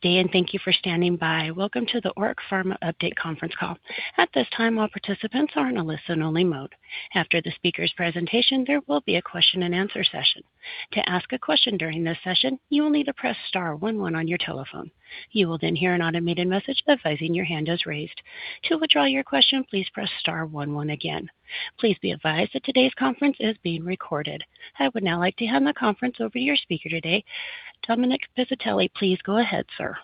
Good day, and thank you for standing by. Welcome to the ORIC Pharmaceuticals update conference call. At this time, all participants are in a listen only mode. After the speaker's presentation, there will be a question and answer session. To ask a question during this session, you will need to press star one one on your telephone. You will then hear an automated message advising your hand is raised. To withdraw your question, please press star one one again. Please be advised that today's conference is being recorded. I would now like to hand the conference over to your speaker today, Dominic Piscitelli. Please go ahead, sir.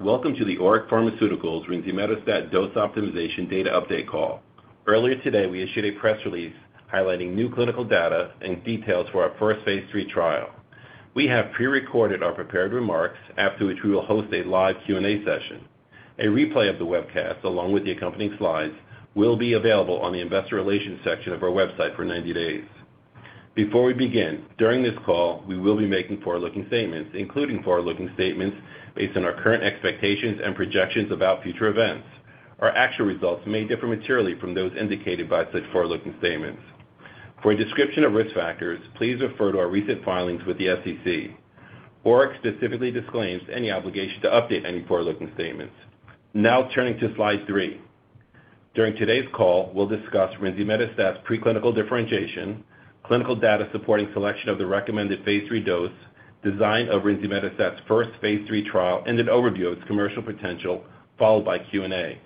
Welcome to the ORIC Pharmaceuticals rinzimetostat dose optimization data update call. Earlier today, we issued a press release highlighting new clinical data and details for our first phase III trial. We have pre-recorded our prepared remarks, after which we will host a live Q&A session. A replay of the webcast, along with the accompanying slides, will be available on the investor relations section of our website for 90 days. Before we begin, during this call, we will be making forward-looking statements, including forward-looking statements based on our current expectations and projections about future events. Our actual results may differ materially from those indicated by such forward-looking statements. For a description of risk factors, please refer to our recent filings with the SEC. ORIC specifically disclaims any obligation to update any forward-looking statements. Now turning to slide three. During today's call, we'll discuss rinzimetostat's preclinical differentiation, clinical data supporting selection of the recommended phase III dose, design of rinzimetostat's first phase III trial, and an overview of its commercial potential, followed by Q&A.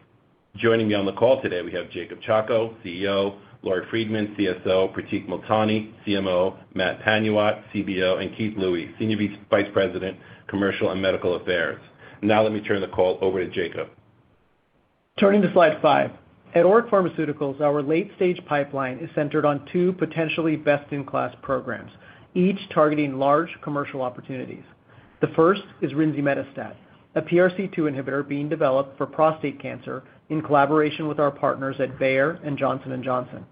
Joining me on the call today we have Jacob Chacko, CEO, Lori Friedman, CSO, Pratik Multani, CMO, Matt Panuwat, CBO, and Keith Lui, Senior Vice President, Commercial and Medical Affairs. Now let me turn the call over to Jacob. Turning to slide five. At ORIC Pharmaceuticals, our late-stage pipeline is centered on two potentially best-in-class programs, each targeting large commercial opportunities. The first is rinzimetostat, a PRC2 inhibitor being developed for prostate cancer in collaboration with our partners at Bayer and Johnson & Johnson.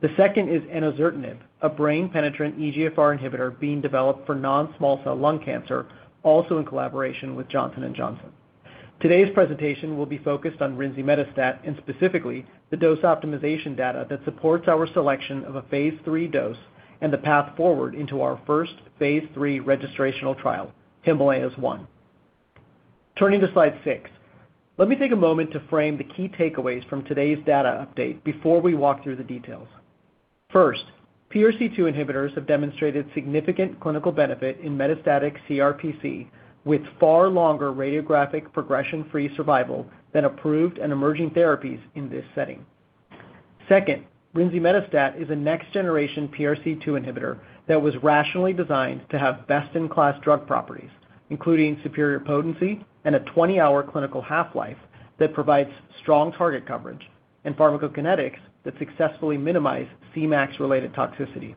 The second is enozertinib, a brain-penetrant EGFR inhibitor being developed for non-small cell lung cancer, also in collaboration with Johnson & Johnson. Today's presentation will be focused on rinzimetostat and specifically the dose optimization data that supports our selection of a phase III dose and the path forward into our first phase III registrational trial, Himalayas-1. Turning to slide six. Let me take a moment to frame the key takeaways from today's data update before we walk through the details. First, PRC2 inhibitors have demonstrated significant clinical benefit in metastatic CRPC, with far longer radiographic progression-free survival than approved and emerging therapies in this setting. Second, rinzimetostat is a next generation PRC2 inhibitor that was rationally designed to have best-in-class drug properties, including superior potency and a 20-hour clinical half-life that provides strong target coverage and pharmacokinetics that successfully minimize Cmax-related toxicity.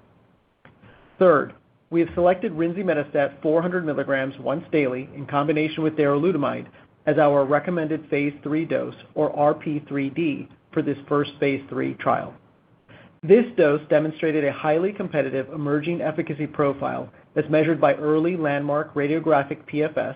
Third, we have selected rinzimetostat 400 mg once daily in combination with darolutamide as our recommended phase III dose or RP3D for this first phase III trial. This dose demonstrated a highly competitive emerging efficacy profile as measured by early landmark radiographic PFS,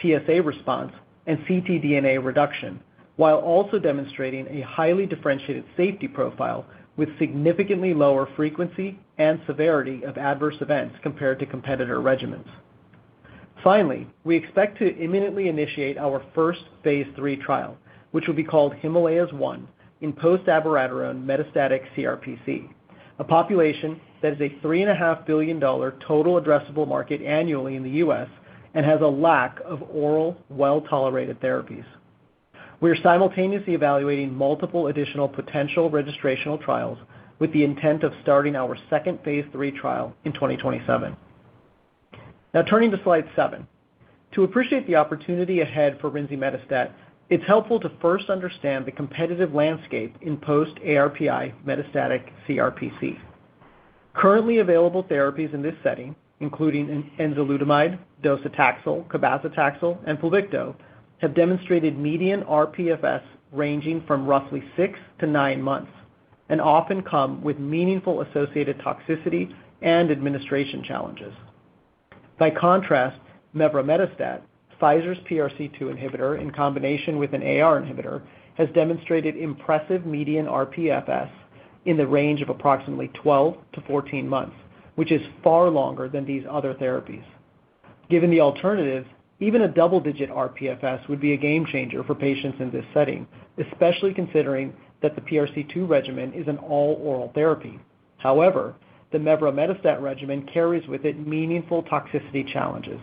PSA response, and ctDNA reduction, while also demonstrating a highly differentiated safety profile with significantly lower frequency and severity of adverse events compared to competitor regimens. Finally, we expect to imminently initiate our first phase III trial, which will be called Himalayas-1 in post-abiraterone metastatic CRPC, a population that is a $3.5 billion total addressable market annually in the U.S. and has a lack of oral well-tolerated therapies. We are simultaneously evaluating multiple additional potential registrational trials with the intent of starting our second phase III trial in 2027. Now turning to slide seven. To appreciate the opportunity ahead for rinzimetostat, it's helpful to first understand the competitive landscape in post-ARPI metastatic CRPC. Currently available therapies in this setting, including enzalutamide, docetaxel, cabazitaxel, and PLUVICTO, have demonstrated median RPFS ranging from roughly six to nine months and often come with meaningful associated toxicity and administration challenges. By contrast, mevrometostat, Pfizer's PRC2 inhibitor in combination with an AR inhibitor, has demonstrated impressive median RPFS in the range of approximately 12-14 months, which is far longer than these other therapies. Given the alternatives, even a double-digit RPFS would be a game changer for patients in this setting, especially considering that the PRC2 regimen is an all-oral therapy. However, the mevrometostat regimen carries with it meaningful toxicity challenges.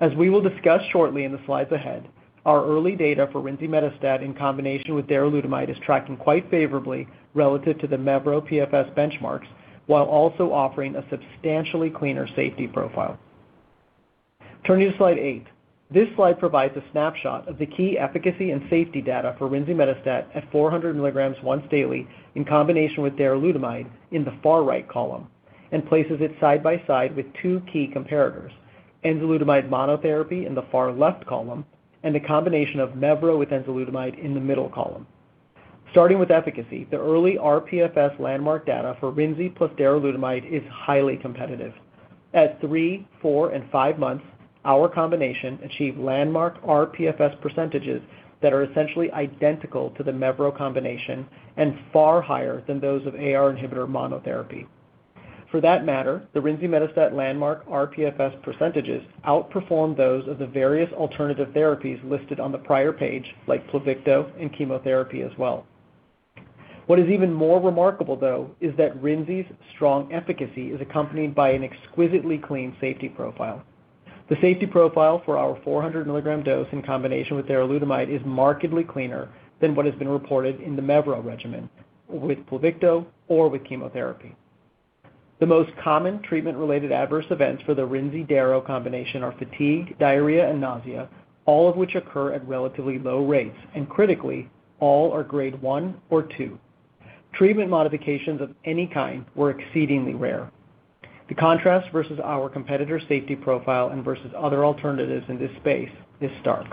As we will discuss shortly in the slides ahead, our early data for rinzimetostat in combination with darolutamide is tracking quite favorably relative to the mevrometostat PFS benchmarks while also offering a substantially cleaner safety profile. Turning to slide eight. This slide provides a snapshot of the key efficacy and safety data for rinzimetostat at 400 mg once daily in combination with darolutamide in the far right column and places it side by side with two key comparators, enzalutamide monotherapy in the far left column and the combination of mevrometostat with enzalutamide in the middle column. Starting with efficacy, the early RPFS landmark data for rinzimetostat plus darolutamide is highly competitive. At three, four, and five months. Our combination achieved landmark RPFS percentages that are essentially identical to the mevrometostat combination and far higher than those of AR inhibitor monotherapy. For that matter, the rinzimetostat landmark RPFS percentages outperform those of the various alternative therapies listed on the prior page, like PLUVICTO and chemotherapy as well. What is even more remarkable, though, is that rinzimetostat's strong efficacy is accompanied by an exquisitely clean safety profile. The safety profile for our 400 mg dose in combination with darolutamide is markedly cleaner than what has been reported in the mevrometostat regimen with PLUVICTO or with chemotherapy. The most common treatment related adverse events for the rinzimetostat darolutamide combination are fatigue, diarrhea, and nausea, all of which occur at relatively low rates, and critically, all are Grade 1 or two. Treatment modifications of any kind were exceedingly rare. The contrast versus our competitor safety profile and versus other alternatives in this space is stark.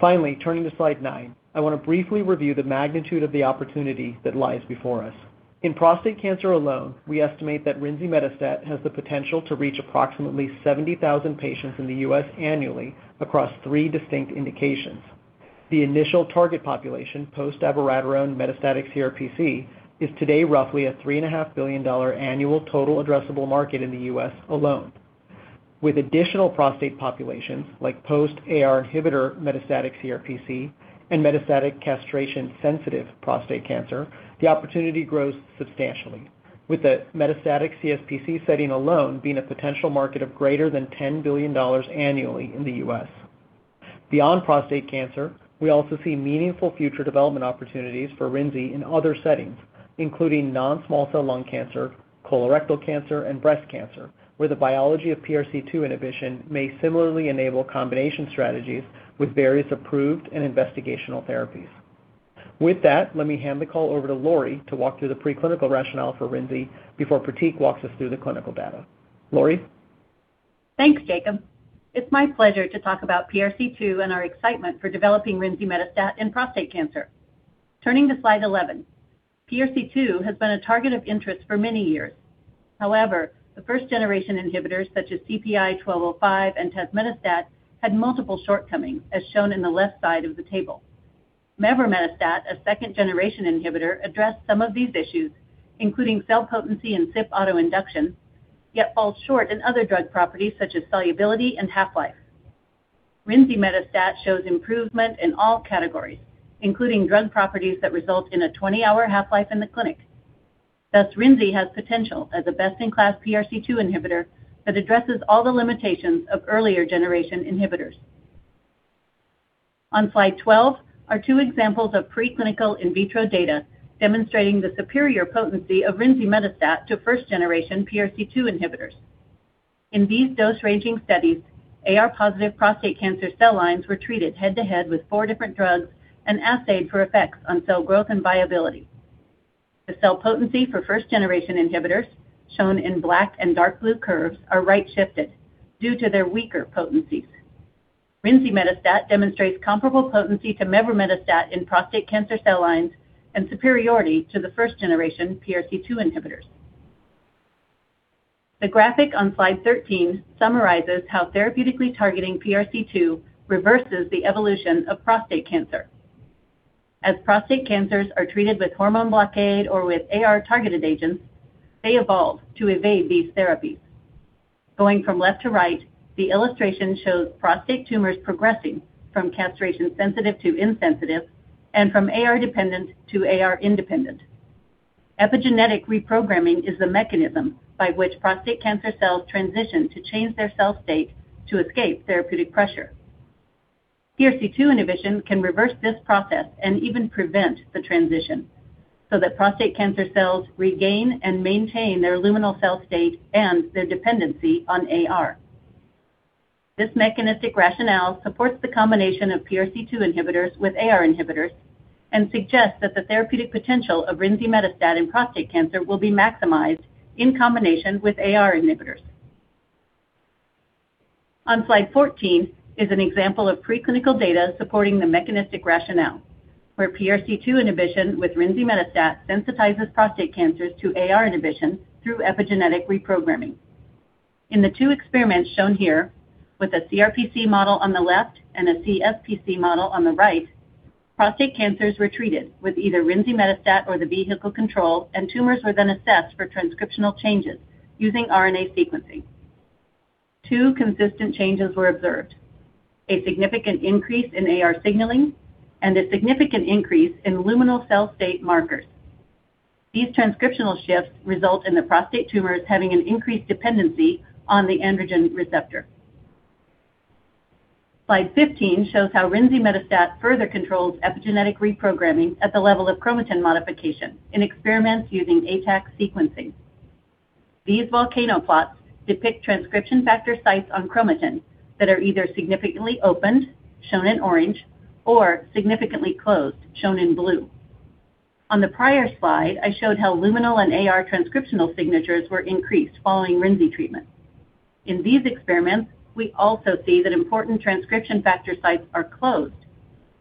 Finally, turning to slide nine, I want to briefly review the magnitude of the opportunity that lies before us. In prostate cancer alone, we estimate that rinzimetostat has the potential to reach approximately 70,000 patients in the U.S. annually across three distinct indications. The initial target population, post-abiraterone metastatic CRPC, is today roughly a $3.5 billion annual total addressable market in the U.S. alone. With additional prostate populations like post AR inhibitor metastatic CRPC and metastatic castration sensitive prostate cancer, the opportunity grows substantially with the metastatic CSPC setting alone being a potential market of greater than $10 billion annually in the U.S.. Beyond prostate cancer, we also see meaningful future development opportunities for rinzimetostat in other settings, including non small cell lung cancer, colorectal cancer, and breast cancer, where the biology of PRC2 inhibition may similarly enable combination strategies with various approved and investigational therapies. With that, let me hand the call over to Lori to walk through the preclinical rationale for rinzimetostat before Pratik walks us through the clinical data. Lori? Thanks, Jacob. It's my pleasure to talk about PRC2 and our excitement for developing rinzimetostat in prostate cancer. Turning to slide 11, PRC2 has been a target of interest for many years. However, the first generation inhibitors, such as CPI-1205 and tazemetostat, had multiple shortcomings, as shown in the left side of the table. Meverometostat, a second generation inhibitor, addressed some of these issues, including cell potency and CYP autoinduction, yet falls short in other drug properties such as solubility and half-life. Rinzimetostat shows improvement in all categories, including drug properties that result in a 20-hour half-life in the clinic. Thus, rinzimetostat has potential as a best-in-class PRC2 inhibitor that addresses all the limitations of earlier generation inhibitors. On slide 12 are two examples of preclinical in vitro data demonstrating the superior potency of rinzimetostat to first generation PRC2 inhibitors. In these dose ranging studies, AR positive prostate cancer cell lines were treated head to head with four different drugs and assayed for effects on cell growth and viability. The cell potency for first generation inhibitors, shown in black and dark blue curves, are right shifted due to their weaker potencies. Rinzimetostat demonstrates comparable potency to mevrometostat in prostate cancer cell lines and superiority to the first generation PRC2 inhibitors. The graphic on slide 13 summarizes how therapeutically targeting PRC2 reverses the evolution of prostate cancer. As prostate cancers are treated with hormone blockade or with AR targeted agents, they evolve to evade these therapies. Going from left to right, the illustration shows prostate tumors progressing from castration sensitive to insensitive and from AR dependent to AR independent. Epigenetic reprogramming is the mechanism by which prostate cancer cells transition to change their cell state to escape therapeutic pressure. PRC2 inhibition can reverse this process and even prevent the transition so that prostate cancer cells regain and maintain their luminal cell state and their dependency on AR. This mechanistic rationale supports the combination of PRC2 inhibitors with AR inhibitors and suggests that the therapeutic potential of rinzimetostat in prostate cancer will be maximized in combination with AR inhibitors. On slide 14 is an example of preclinical data supporting the mechanistic rationale, where PRC2 inhibition with rinzimetostat sensitizes prostate cancers to AR inhibition through epigenetic reprogramming. In the two experiments shown here, with a CRPC model on the left and a CSPC model on the right, prostate cancers were treated with either rinzimetostat or the vehicle control, and tumors were then assessed for transcriptional changes using RNA sequencing. Two consistent changes were observed. A significant increase in AR signaling and a significant increase in luminal cell state markers. These transcriptional shifts result in the prostate tumors having an increased dependency on the androgen receptor. Slide 15 shows how rinzimetostat further controls epigenetic reprogramming at the level of chromatin modification in experiments using ATAC sequencing. These volcano plots depict transcription factor sites on chromatin that are either significantly opened, shown in orange, or significantly closed, shown in blue. On the prior slide, I showed how luminal and AR transcriptional signatures were increased following rinzimetostat treatment. In these experiments, we also see that important transcription factor sites are closed.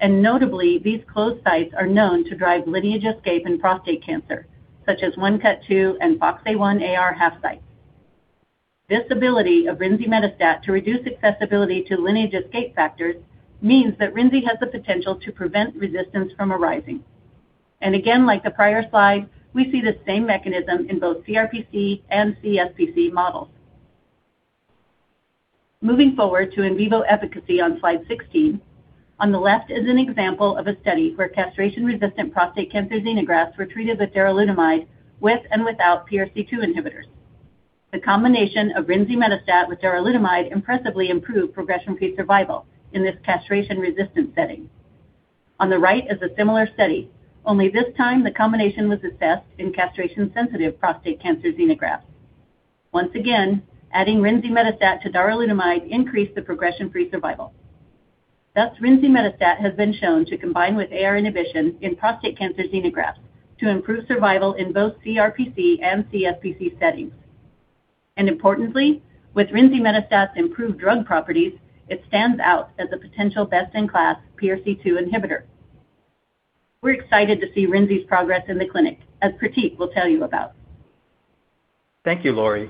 Notably, these closed sites are known to drive lineage escape in prostate cancer, such as ONECUT2 and FOXA1:AR half-sites. This ability of rinzimetostat to reduce accessibility to lineage escape factors means that rinzimetostat has the potential to prevent resistance from arising. Again, like the prior slide, we see the same mechanism in both CRPC and CSPC models. Moving forward to in vivo efficacy on slide 16, on the left is an example of a study where castration-resistant prostate cancer xenografts were treated with darolutamide with and without PRC2 inhibitors. The combination of rinzimetostat with darolutamide impressively improved progression-free survival in this castration-resistant setting. On the right is a similar study, only this time the combination was assessed in castration-sensitive prostate cancer xenografts. Once again, adding rinzimetostat to darolutamide increased the progression-free survival. Thus, rinzimetostat has been shown to combine with AR inhibition in prostate cancer xenografts to improve survival in both CRPC and CSPC settings. Importantly, with rinzimetostat's improved drug properties, it stands out as a potential best-in-class PRC2 inhibitor. We're excited to see rinzimetostat's progress in the clinic, as Pratik will tell you about. Thank you, Lori.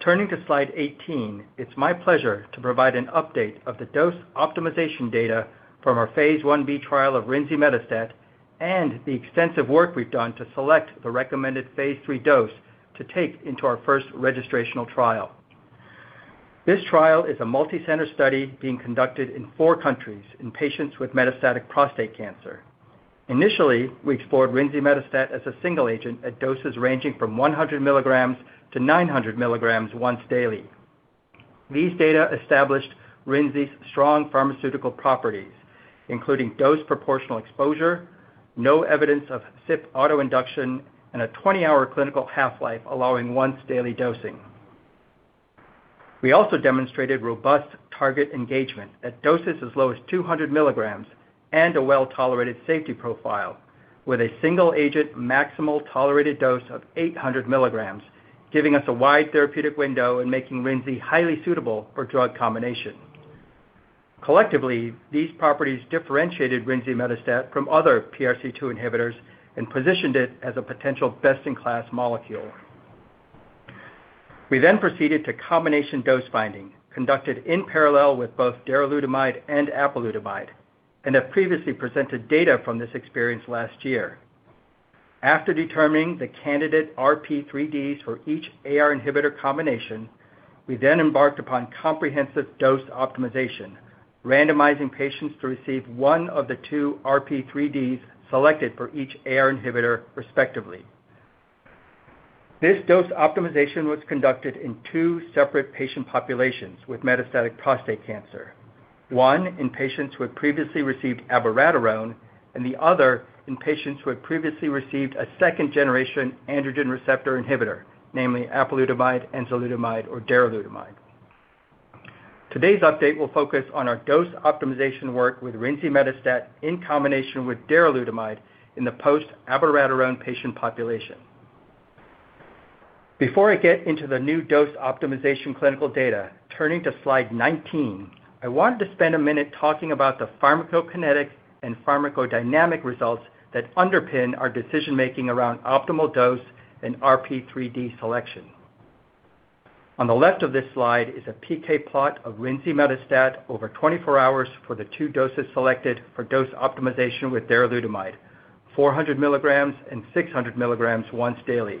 Turning to slide 18, it's my pleasure to provide an update of the dose optimization data from our phase Ib trial of rinzimetostat and the extensive work we've done to select the recommended phase III dose to take into our first registrational trial. This trial is a multicenter study being conducted in four countries in patients with metastatic prostate cancer. Initially, we explored rinzimetostat as a single agent at doses ranging from 100-900 mg once daily. These data established rinzimetostat's strong pharmaceutical properties, including dose proportional exposure, no evidence of CYP autoinduction, and a 20-hour clinical half-life allowing once daily dosing. We also demonstrated robust target engagement at doses as low as 200 mg and a well-tolerated safety profile with a single agent maximal tolerated dose of 800 mg, giving us a wide therapeutic window and making rinzimetostat highly suitable for drug combination. Collectively, these properties differentiated rinzimetostat from other PRC2 inhibitors and positioned it as a potential best-in-class molecule. We then proceeded to combination dose finding conducted in parallel with both darolutamide and apalutamide and have previously presented data from this experience last year. After determining the candidate RP3Ds for each AR inhibitor combination, we then embarked upon comprehensive dose optimization, randomizing patients to receive one of the two RP3Ds selected for each AR inhibitor respectively. This dose optimization was conducted in two separate patient populations with metastatic prostate cancer, one in patients who had previously received abiraterone, and the other in patients who had previously received a second-generation androgen receptor inhibitor, namely apalutamide, enzalutamide, or darolutamide. Today's update will focus on our dose optimization work with rinzimetostat in combination with darolutamide in the post-abiraterone patient population. Before I get into the new dose optimization clinical data, turning to slide 19, I wanted to spend a minute talking about the pharmacokinetic and pharmacodynamic results that underpin our decision-making around optimal dose and RP3D selection. On the left of this slide is a PK plot of rinzimetostat over 24 hours for the two doses selected for dose optimization with darolutamide, 400 mg and 600 mg once daily.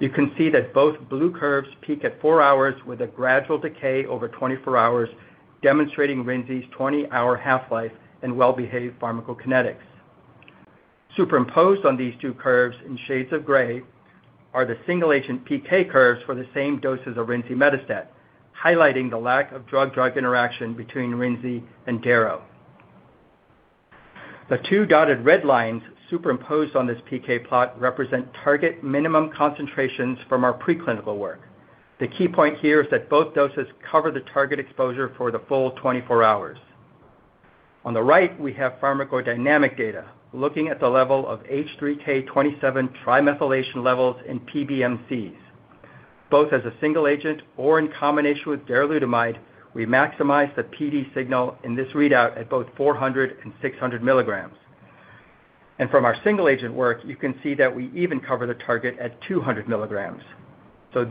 You can see that both blue curves peak at four hours with a gradual decay over 24 hours, demonstrating rinzimetostat's 20-hour half-life and well-behaved pharmacokinetics. Superimposed on these two curves in shades of gray are the single agent PK curves for the same doses of rinzimetostat, highlighting the lack of drug-drug interaction between rinzimetostat and darolutamide. The two dotted red lines superimposed on this PK plot represent target minimum concentrations from our preclinical work. The key point here is that both doses cover the target exposure for the full 24 hours. On the right, we have pharmacodynamic data looking at the level of H3K27 trimethylation levels in PBMCs. Both as a single agent or in combination with darolutamide, we maximize the PD signal in this readout at both 400 mg and 600 mg. From our single agent work, you can see that we even cover the target at 200 mg.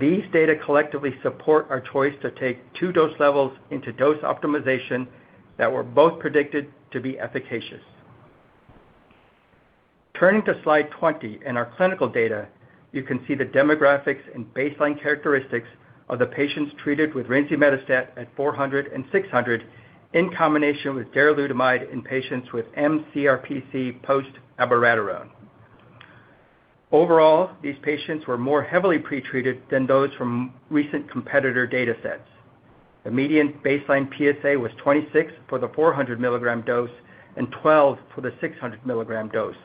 These data collectively support our choice to take two dose levels into dose optimization that were both predicted to be efficacious. Turning to slide 20 in our clinical data, you can see the demographics and baseline characteristics of the patients treated with rinzimetostat at 400 mg and 600 mg in combination with darolutamide in patients with mCRPC post-abiraterone. Overall, these patients were more heavily pretreated than those from recent competitor data sets. The median baseline PSA was 26 for the 400 mg dose and 12 for the 600 mg dose.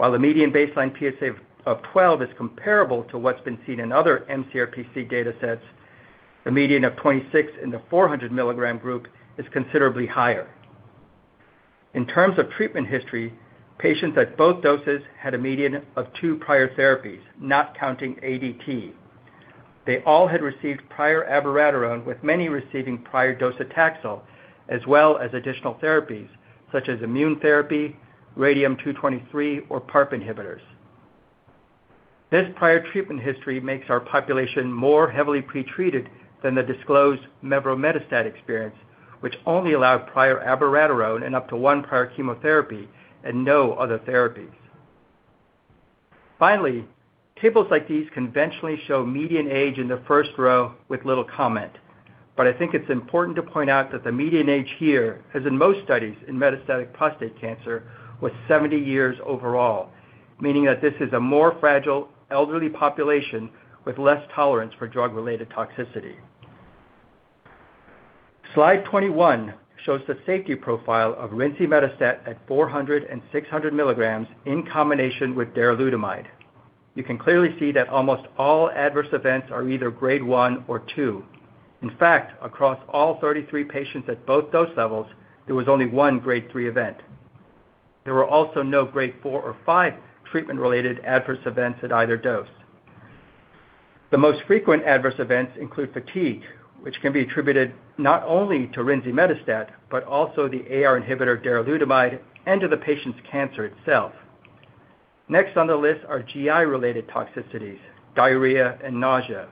While the median baseline PSA of 12 is comparable to what's been seen in other mCRPC data sets, the median of 26 in the 400 mg group is considerably higher. In terms of treatment history, patients at both doses had a median of two prior therapies, not counting ADT. They all had received prior abiraterone, with many receiving prior docetaxel, as well as additional therapies such as immune therapy, radium-223, or PARP inhibitors. This prior treatment history makes our population more heavily pretreated than the disclosed mevrometostat experience, which only allowed prior abiraterone and up to one prior chemotherapy and no other therapies. Finally, tables like these conventionally show median age in the first row with little comment. I think it's important to point out that the median age here, as in most studies in metastatic prostate cancer, was 70 years overall, meaning that this is a more fragile elderly population with less tolerance for drug-related toxicity. Slide 21 shows the safety profile of rinzimetostat at 400 mg and 600 mg in combination with darolutamide. You can clearly see that almost all adverse events are either Grade 1 or 2. In fact, across all 33 patients at both dose levels, there was only one Grade 3 event. There were also no Grade 4 or 5 treatment-related adverse events at either dose. The most frequent adverse events include fatigue, which can be attributed not only to rinzimetostat, but also the AR inhibitor darolutamide and to the patient's cancer itself. Next on the list are GI-related toxicities, diarrhea, and nausea.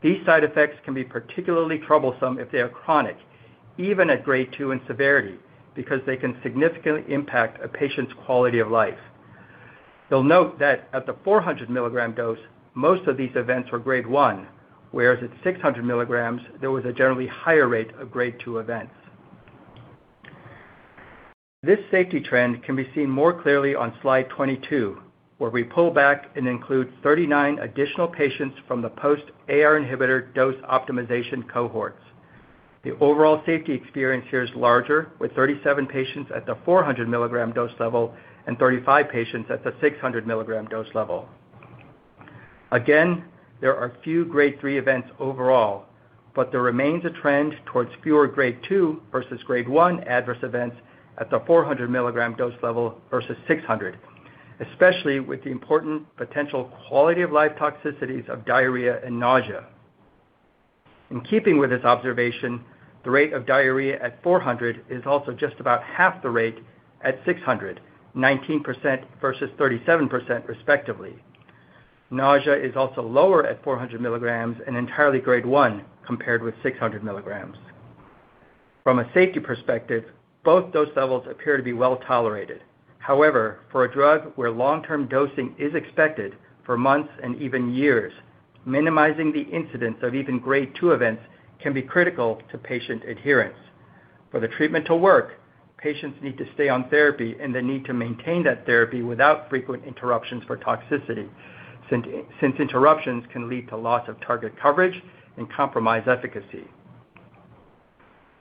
These side effects can be particularly troublesome if they are chronic, even at Grade 2 in severity, because they can significantly impact a patient's quality of life. You'll note that at the 400 mg dose, most of these events were Grade 1, whereas at 600 mg, there was a generally higher rate of Grade 2 events. This safety trend can be seen more clearly on slide 22, where we pull back and include 39 additional patients from the post-AR inhibitor dose optimization cohorts. The overall safety experience here is larger, with 37 patients at the 400 mg dose level and 35 patients at the 600 mg dose level. Again, there are few Grade 3 events overall, but there remains a trend towards fewer Grade 2 versus Grade 1 adverse events at the 400 mg dose level versus 600 mg, especially with the important potential quality-of-life toxicities of diarrhea and nausea. In keeping with this observation, the rate of diarrhea at 400 mg is also just about half the rate at 600 mg, 19% versus 37% respectively. Nausea is also lower at 400 mg and entirely Grade 1 compared with 600 mg. From a safety perspective, both dose levels appear to be well-tolerated. However, for a drug where long-term dosing is expected for months and even years, minimizing the incidence of even Grade 2 events can be critical to patient adherence. For the treatment to work, patients need to stay on therapy, and they need to maintain that therapy without frequent interruptions for toxicity, since interruptions can lead to loss of target coverage and compromise efficacy.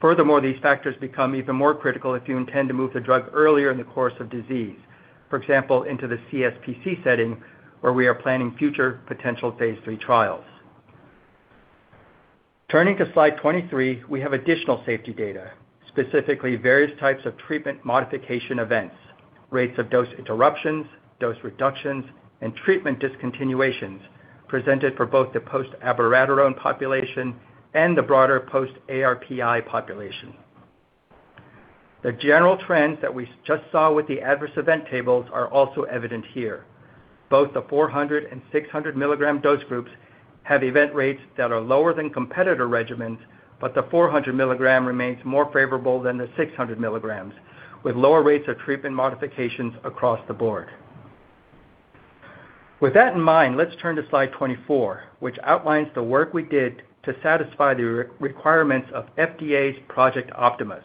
Furthermore, these factors become even more critical if you intend to move the drug earlier in the course of disease, for example, into the CSPC setting, where we are planning future potential phase III trials. Turning to slide 23, we have additional safety data, specifically various types of treatment modification events, rates of dose interruptions, dose reductions, and treatment discontinuations presented for both the post-abiraterone population and the broader post-ARPi population. The general trends that we just saw with the adverse event tables are also evident here. Both the 400 mg and 600 mg dose groups have event rates that are lower than competitor regimens, but the 400 mg remains more favorable than the 600 mg, with lower rates of treatment modifications across the board. With that in mind, let's turn to slide 24, which outlines the work we did to satisfy the requirements of FDA's Project Optimus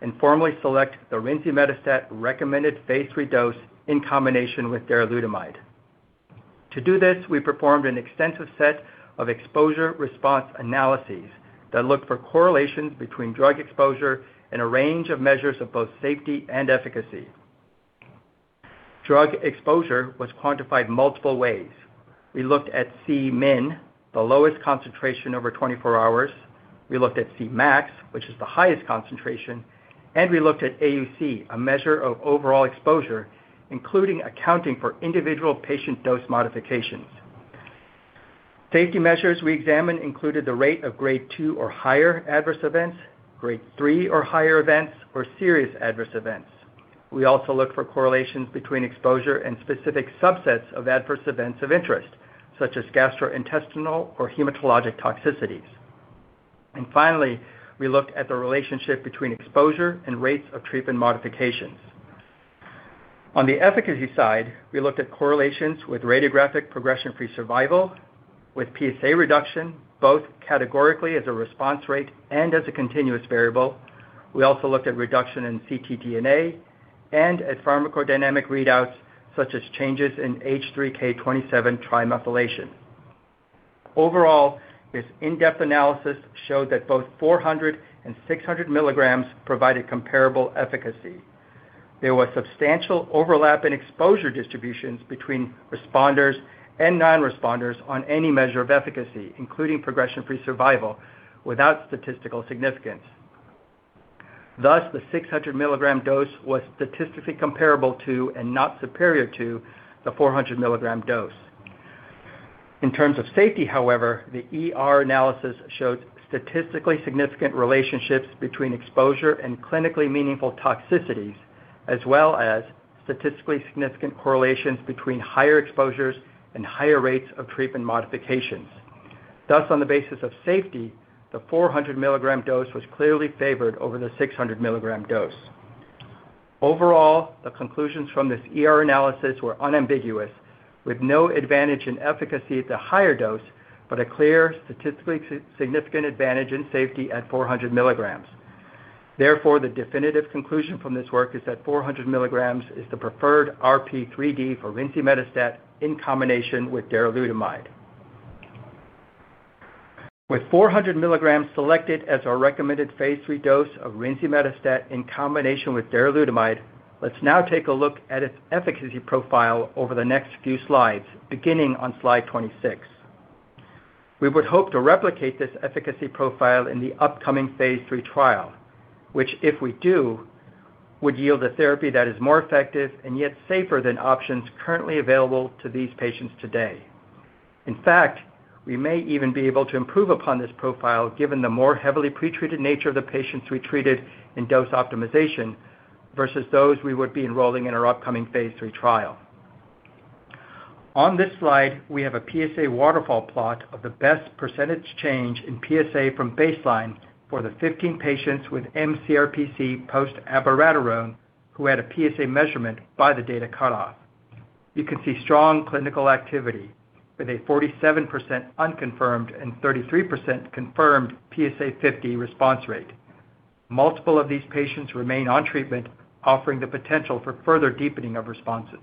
and formally select the rinzimetostat recommended phase III dose in combination with darolutamide. To do this, we performed an extensive set of exposure-response analyses that looked for correlations between drug exposure and a range of measures of both safety and efficacy. Drug exposure was quantified multiple ways. We looked at Cmin, the lowest concentration over 24 hours. We looked at Cmax, which is the highest concentration, and we looked at AUC, a measure of overall exposure, including accounting for individual patient dose modifications. Safety measures we examined included the rate of Grade 2 or higher adverse events, Grade 3 or higher events, or serious adverse events. We also looked for correlations between exposure and specific subsets of adverse events of interest, such as gastrointestinal or hematologic toxicities. Finally, we looked at the relationship between exposure and rates of treatment modifications. On the efficacy side, we looked at correlations with radiographic progression-free survival, with PSA reduction, both categorically as a response rate and as a continuous variable. We also looked at reduction in ctDNA and at pharmacodynamic readouts such as changes in H3K27 trimethylation. Overall, this in-depth analysis showed that both 400 mg and 600 mg provided comparable efficacy. There was substantial overlap in exposure distributions between responders and non-responders on any measure of efficacy, including progression-free survival, without statistical significance. Thus, the 600 mg dose was statistically comparable to and not superior to the 400 mg dose. In terms of safety, however, the ER analysis showed statistically significant relationships between exposure and clinically meaningful toxicities, as well as statistically significant correlations between higher exposures and higher rates of treatment modifications. Thus, on the basis of safety, the 400 mg dose was clearly favored over the 600 mg dose. Overall, the conclusions from this ER analysis were unambiguous, with no advantage in efficacy at the higher dose, but a clear statistically significant advantage in safety at 400 mg. Therefore, the definitive conclusion from this work is that 400 mg is the preferred RP3D for rinzimetostat in combination with darolutamide. With 400 mg selected as our recommended phase III dose of rinzimetostat in combination with darolutamide, let's now take a look at its efficacy profile over the next few slides, beginning on slide 26. We would hope to replicate this efficacy profile in the upcoming phase III trial, which, if we do, would yield a therapy that is more effective and yet safer than options currently available to these patients today. In fact, we may even be able to improve upon this profile given the more heavily pretreated nature of the patients we treated in dose optimization versus those we would be enrolling in our upcoming phase III trial. On this slide, we have a PSA waterfall plot of the best percentage change in PSA from baseline for the 15 patients with mCRPC post-abiraterone who had a PSA measurement by the data cutoff. You can see strong clinical activity with a 47% unconfirmed and 33% confirmed PSA50 response rate. Multiple of these patients remain on treatment, offering the potential for further deepening of responses.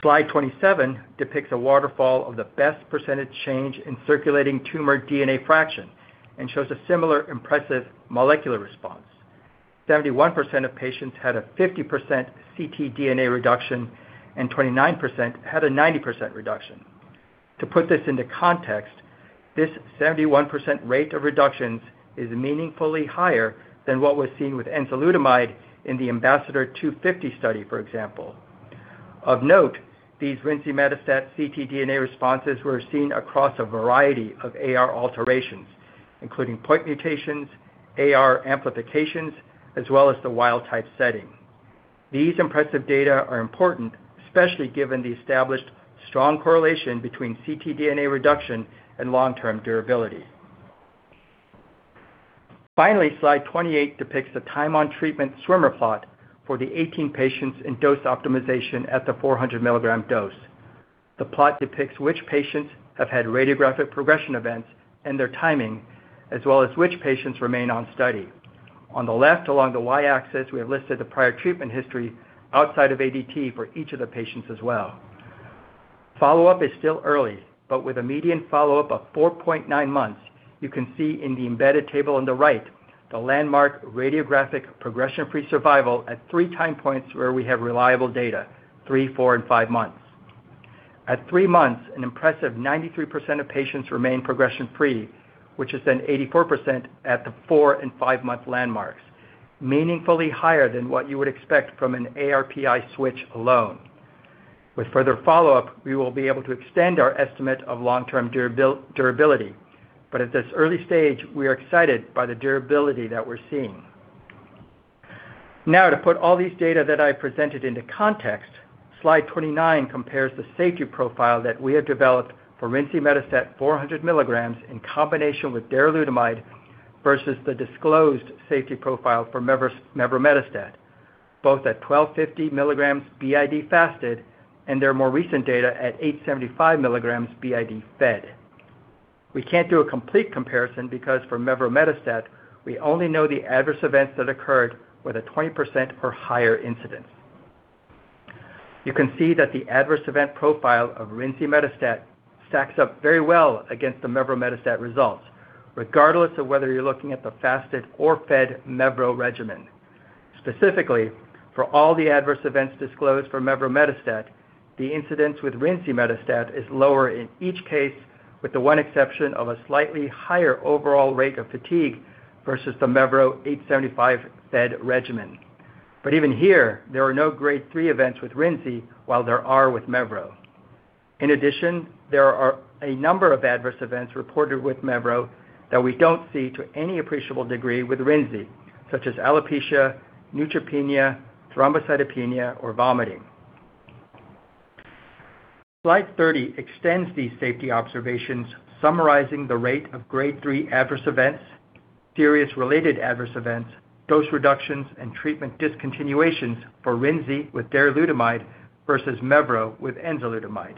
Slide 27 depicts a waterfall of the best percentage change in circulating tumor DNA fraction and shows a similar impressive molecular response. 71% of patients had a 50% ctDNA reduction and 29% had a 90% reduction. To put this into context, this 71% rate of reductions is meaningfully higher than what was seen with enzalutamide in the IMbassador250 study, for example. Of note, these rinzimetostat ctDNA responses were seen across a variety of AR alterations, including point mutations, AR amplifications, as well as the wild type setting. These impressive data are important, especially given the established strong correlation between ctDNA reduction and long-term durability. Finally, slide 28 depicts the time on treatment swimmer plot for the 18 patients in dose optimization at the 400 mg dose. The plot depicts which patients have had radiographic progression events and their timing, as well as which patients remain on study. On the left along the Y-axis, we have listed the prior treatment history outside of ADT for each of the patients as well. Follow-up is still early, but with a median follow-up of 4.9 months, you can see in the embedded table on the right the landmark radiographic progression-free survival at three time points where we have reliable data, three, four, and five months. At three months, an impressive 93% of patients remain progression free, which is then 84% at the four and five month landmarks, meaningfully higher than what you would expect from an ARPI switch alone. With further follow-up, we will be able to extend our estimate of long-term durability. At this early stage, we are excited by the durability that we're seeing. Now, to put all these data that I presented into context, slide 29 compares the safety profile that we have developed for rinzimetostat 400 mg in combination with darolutamide versus the disclosed safety profile for mevrometostat, both at 1,250 mg BID fasted and their more recent data at 875 mg BID fed. We can't do a complete comparison because for mevrometostat, we only know the adverse events that occurred with a 20% or higher incidence. You can see that the adverse event profile of rinzimetostat stacks up very well against the mevrometostat results, regardless of whether you're looking at the fasted or fed mevrometostat regimen. Specifically, for all the adverse events disclosed for mevrometostat, the incidence with rinzimetostat is lower in each case, with the one exception of a slightly higher overall rate of fatigue versus the mevrometostat 875 mg BID regimen. Even here, there are no Grade 3 events with rinzimetostat, while there are with mevrometostat. In addition, there are a number of adverse events reported with mevrometostat that we don't see to any appreciable degree with rinzimetostat, such as alopecia, neutropenia, thrombocytopenia, or vomiting. Slide 30 extends these safety observations, summarizing the rate of Grade 3 adverse events, serious related adverse events, dose reductions, and treatment discontinuations for rinzimetostat with darolutamide versus mevrometostat with enzalutamide.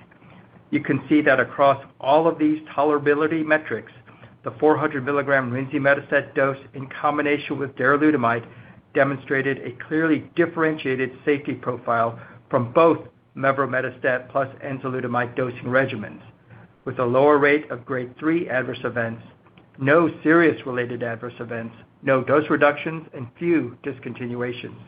You can see that across all of these tolerability metrics, the 400 mg rinzimetostat dose in combination with darolutamide demonstrated a clearly differentiated safety profile from both mevrometostat plus enzalutamide dosing regimens with a lower rate of Grade 3 adverse events, no serious related adverse events, no dose reductions, and few discontinuations.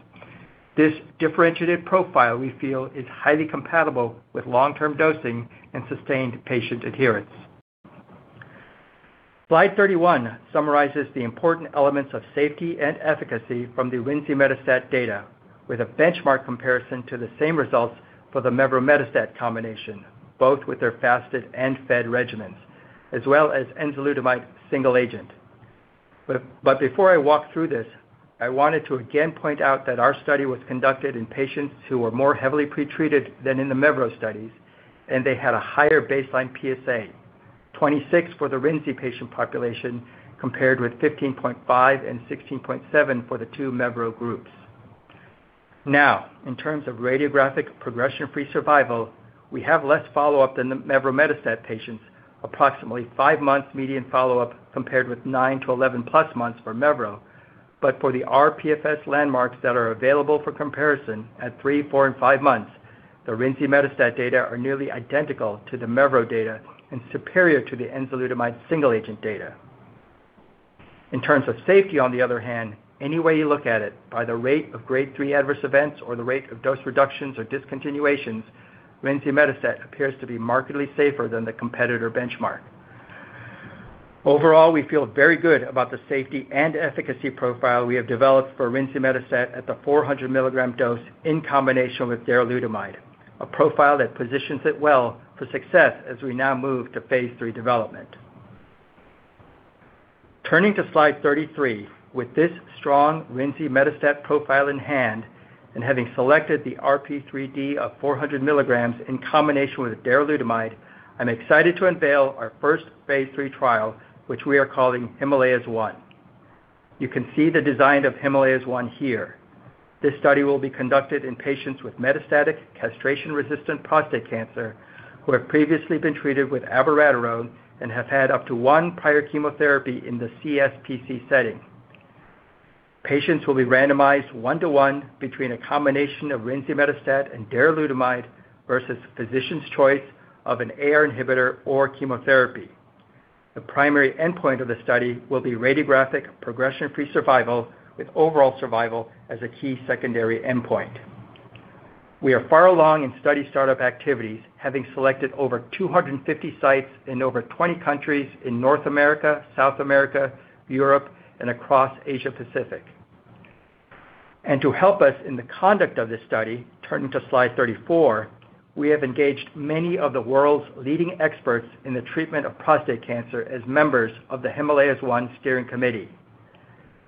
This differentiated profile we feel is highly compatible with long-term dosing and sustained patient adherence. Slide 31 summarizes the important elements of safety and efficacy from the rinzimetostat data with a benchmark comparison to the same results for the mevrometostat combination, both with their fasted and fed regimens, as well as enzalutamide single agent. before I walk through this, I wanted to again point out that our study was conducted in patients who were more heavily pretreated than in the mevrometostat studies, and they had a higher baseline PSA, 26 for the rinzimetostat patient population compared with 15.5 and 16.7 for the two mevrometostat groups. Now, in terms of radiographic progression-free survival, we have less follow-up than the mevrometostat metastatic patients, approximately five months median follow-up compared with nine to 11+ months for mevrometostat. For the RPFS landmarks that are available for comparison at three, four, and five months, the rinzimetostat metastatic data are nearly identical to the mevrometostat data and superior to the enzalutamide single agent data. In terms of safety, on the other hand, any way you look at it, by the rate of Grade 3 adverse events or the rate of dose reductions or discontinuations, rinzimetostat appears to be markedly safer than the competitor benchmark. Overall, we feel very good about the safety and efficacy profile we have developed for rinzimetostat at the 400 mg dose in combination with darolutamide, a profile that positions it well for success as we now move to phase III development. Turning to slide 33, with this strong rinzimetostat profile in hand and having selected the RP3D of 400 mg in combination with darolutamide, I'm excited to unveil our first phase III trial, which we are calling Himalayas-1. You can see the design of Himalayas-1 here. This study will be conducted in patients with metastatic castration-resistant prostate cancer who have previously been treated with abiraterone and have had up to one prior chemotherapy in the CSPC setting. Patients will be randomized one to one between a combination of rinzimetostat and darolutamide versus physician's choice of an AR inhibitor or chemotherapy. The primary endpoint of the study will be radiographic progression-free survival with overall survival as a key secondary endpoint. We are far along in study startup activities, having selected over 250 sites in over 20 countries in North America, South America, Europe, and across Asia-Pacific. To help us in the conduct of this study, turning to slide 34, we have engaged many of the world's leading experts in the treatment of prostate cancer as members of the Himalayas-1 steering committee.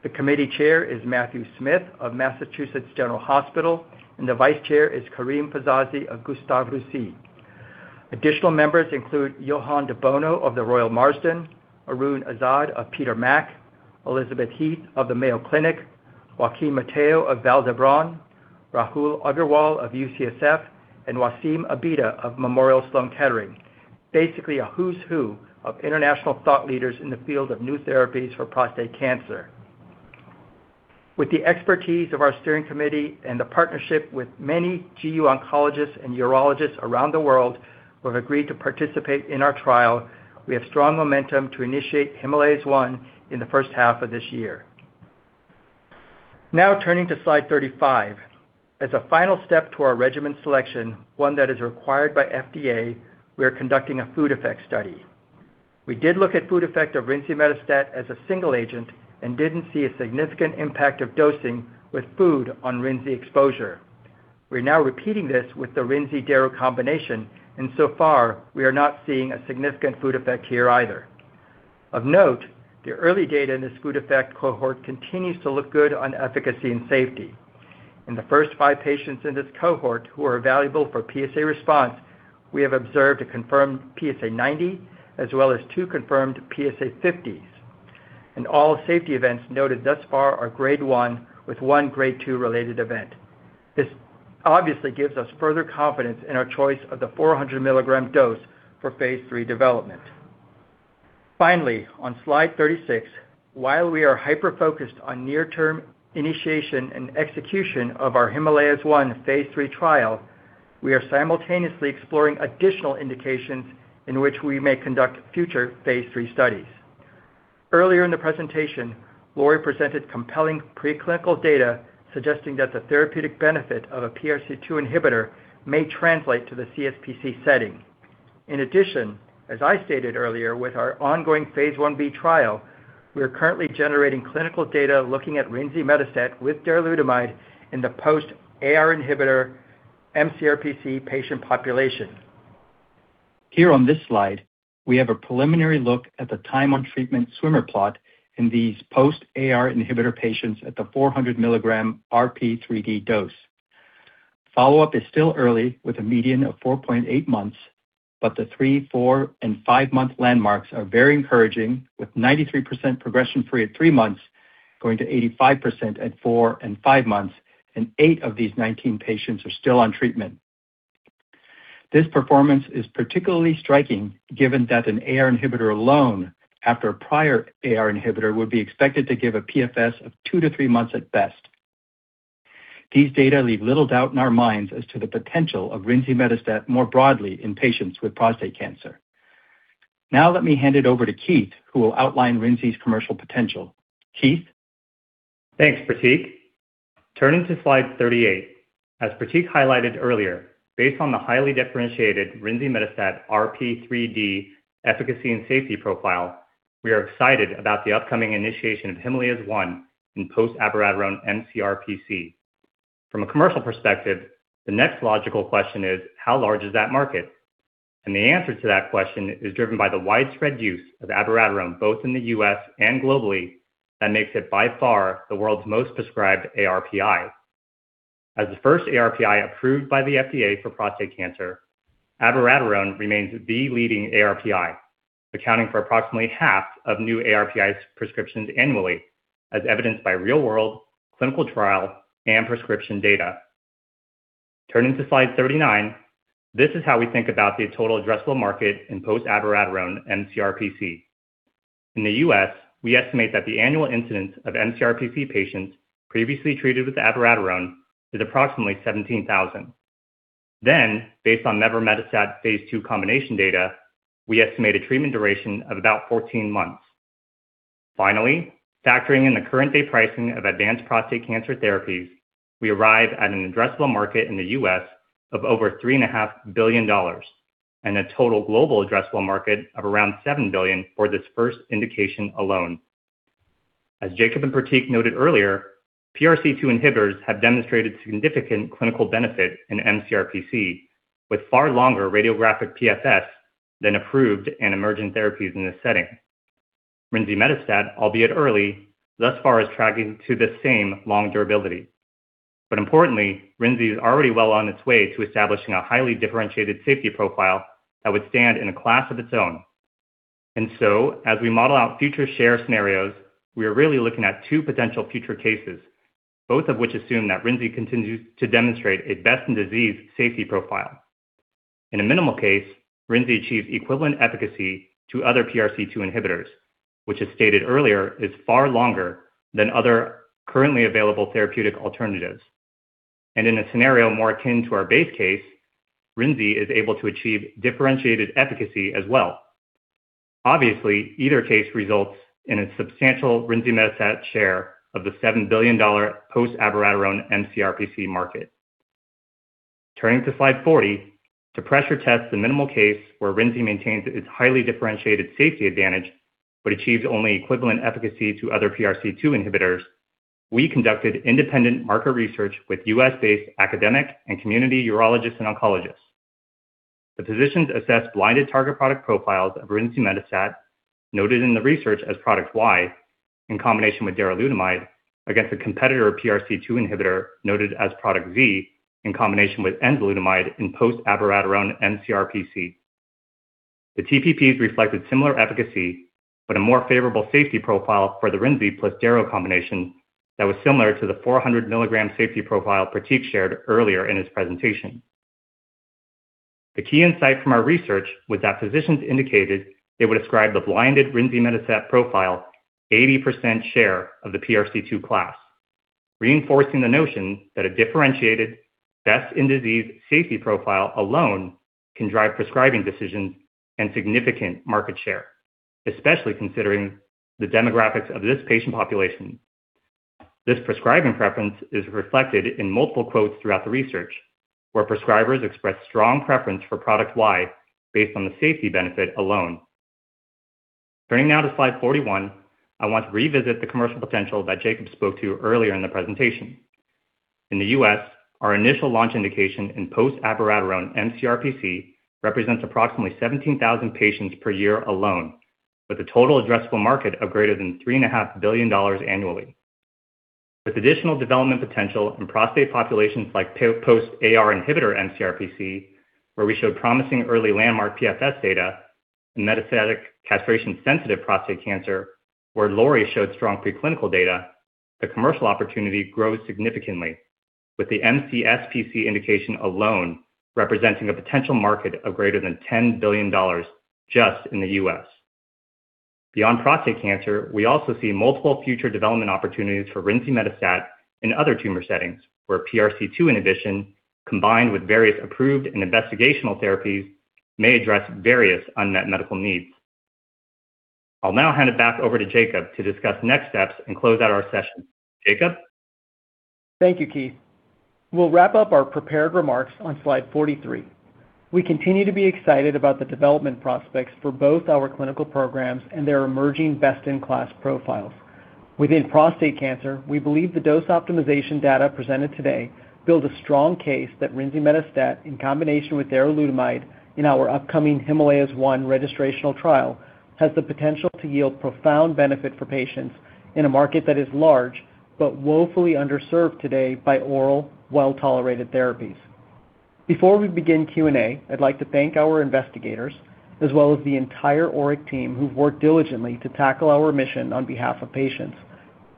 The Committee Chair is Matthew Smith of Massachusetts General Hospital, and the Vice Chair is Karim Fizazi of Gustave Roussy. Additional members include Johann de Bono of The Royal Marsden, Arun Azad of Peter MacCallum Cancer Centre, Elisabeth Heath of the Mayo Clinic, Joaquin Mateo of Vall d'Hebron, Rahul Aggarwal of UCSF, and Wassim Abida of Memorial Sloan Kettering. Basically a who's who of international thought leaders in the field of new therapies for prostate cancer. With the expertise of our steering committee and the partnership with many GU oncologists and urologists around the world who have agreed to participate in our trial, we have strong momentum to initiate Himalayas-1 in the first half of this year. Now turning to slide 35, as a final step to our regimen selection, one that is required by FDA, we are conducting a food effect study. We did look at food effect of rinzimetostat as a single agent and didn't see a significant impact of dosing with food on rinzimetostat exposure. We're now repeating this with the rinzimetostat darolutamide combination, and so far we are not seeing a significant food effect here either. Of note, the early data in this food effect cohort continues to look good on efficacy and safety. In the first five patients in this cohort who are evaluable for PSA response, we have observed a confirmed PSA90 as well as two confirmed PSA50s, and all safety events noted thus far are Grade 1 with one Grade 2 related event. This obviously gives us further confidence in our choice of the 400 mg dose for phase III development. Finally, on slide 36, while we are hyper-focused on near-term initiation and execution of our Himalayas-1 phase III trial, we are simultaneously exploring additional indications in which we may conduct future phase III studies. Earlier in the presentation, Lori presented compelling preclinical data suggesting that the therapeutic benefit of a PRC2 inhibitor may translate to the CSPC setting. In addition, as I stated earlier with our ongoing phase I-B trial, we are currently generating clinical data looking at rinzimetostat with darolutamide in the post-AR inhibitor mCRPC patient population. Here on this slide, we have a preliminary look at the time on treatment swimmer plot in these post-AR inhibitor patients at the 400 mg RP3D dose. Follow-up is still early with a median of 4.8 months, but the three, four, and five-month landmarks are very encouraging with 93% progression-free at three months going to 85% at four and five months, and eight of these 19 patients are still on treatment. This performance is particularly striking given that an AR inhibitor alone after a prior AR inhibitor would be expected to give a PFS of two to three months at best. These data leave little doubt in our minds as to the potential of rinzimetostat more broadly in patients with prostate cancer. Now let me hand it over to Keith, who will outline rinzimetostat's commercial potential. Keith. Thanks, Pratik. Turning to slide 38. As Pratik highlighted earlier, based on the highly differentiated rinzimetostat RP3D efficacy and safety profile, we are excited about the upcoming initiation of Himalayas-1 in post-abiraterone mCRPC. From a commercial perspective, the next logical question is, how large is that market? And the answer to that question is driven by the widespread use of abiraterone both in the U.S. and globally that makes it by far the world's most prescribed ARPI. As the first ARPI approved by the FDA for prostate cancer, abiraterone remains the leading ARPI, accounting for approximately half of new ARPI prescriptions annually, as evidenced by real-world clinical trial and prescription data. Turning to slide 39, this is how we think about the total addressable market in post-abiraterone mCRPC. In the U.S., we estimate that the annual incidence of mCRPC patients previously treated with abiraterone is approximately 17,000. Based on mevrometostat phase II combination data, we estimate a treatment duration of about 14 months. Finally, factoring in the current-day pricing of advanced prostate cancer therapies, we arrive at an addressable market in the U.S. of over $3.5 billion and a total global addressable market of around $7 billion for this first indication alone. As Jacob and Pratik noted earlier, PRC2 inhibitors have demonstrated significant clinical benefit in mCRPC, with far longer radiographic PFS than approved and emerging therapies in this setting. Rinzimetostat, albeit early, thus far is tracking to the same long durability. Importantly, rinzimetostat is already well on its way to establishing a highly differentiated safety profile that would stand in a class of its own. As we model out future share scenarios, we are really looking at two potential future cases, both of which assume that rinzimetostat continues to demonstrate its best-in-disease safety profile. In a minimal case, rinzimetostat achieves equivalent efficacy to other PRC2 inhibitors, which as stated earlier, is far longer than other currently available therapeutic alternatives. In a scenario more akin to our base case, rinzimetostat is able to achieve differentiated efficacy as well. Obviously, either case results in a substantial rinzimetostat metastatic share of the $7 billion post-abiraterone mCRPC market. Turning to slide 40, to pressure test the minimal case where rinzimetostat maintains its highly differentiated safety advantage but achieves only equivalent efficacy to other PRC2 inhibitors, we conducted independent market research with U.S.-based academic and community urologists and oncologists. The physicians assessed blinded target product profiles of rinzimetostat, noted in the research as product Y, in combination with darolutamide, against a competitor PRC2 inhibitor, noted as product Z, in combination with enzalutamide in post-abiraterone mCRPC. The TPPs reflected similar efficacy but a more favorable safety profile for the rinzimetostat plus darolutamide combination that was similar to the 400 mg safety profile Pratik shared earlier in his presentation. The key insight from our research was that physicians indicated they would ascribe the blinded rinzimetostat profile 80% share of the PRC2 class, reinforcing the notion that a differentiated, best-in-disease safety profile alone can drive prescribing decisions and significant market share, especially considering the demographics of this patient population. This prescribing preference is reflected in multiple quotes throughout the research, where prescribers expressed strong preference for product Y based on the safety benefit alone. Turning now to slide 41, I want to revisit the commercial potential that Jacob spoke to earlier in the presentation. In the U.S., our initial launch indication in post-abiraterone mCRPC represents approximately 17,000 patients per year alone, with a total addressable market of greater than $3.5 billion annually. With additional development potential in prostate populations like post-AR inhibitor mCRPC, where we showed promising early landmark PFS data, metastatic castration-sensitive prostate cancer, where Lori showed strong preclinical data, the commercial opportunity grows significantly, with the mCSPC indication alone representing a potential market of greater than $10 billion just in the U.S.. Beyond prostate cancer, we also see multiple future development opportunities for rinzimetostat in other tumor settings, where PRC2 inhibition, combined with various approved and investigational therapies, may address various unmet medical needs. I'll now hand it back over to Jacob to discuss next steps and close out our session. Jacob? Thank you, Keith. We'll wrap up our prepared remarks on slide 43. We continue to be excited about the development prospects for both our clinical programs and their emerging best-in-class profiles. Within prostate cancer, we believe the dose optimization data presented today build a strong case that rinzimetostat, in combination with darolutamide in our upcoming Himalayas-1 registrational trial, has the potential to yield profound benefit for patients in a market that is large but woefully underserved today by oral, well-tolerated therapies. Before we begin Q&A, I'd like to thank our investigators, as well as the entire ORIC team who've worked diligently to tackle our mission on behalf of patients.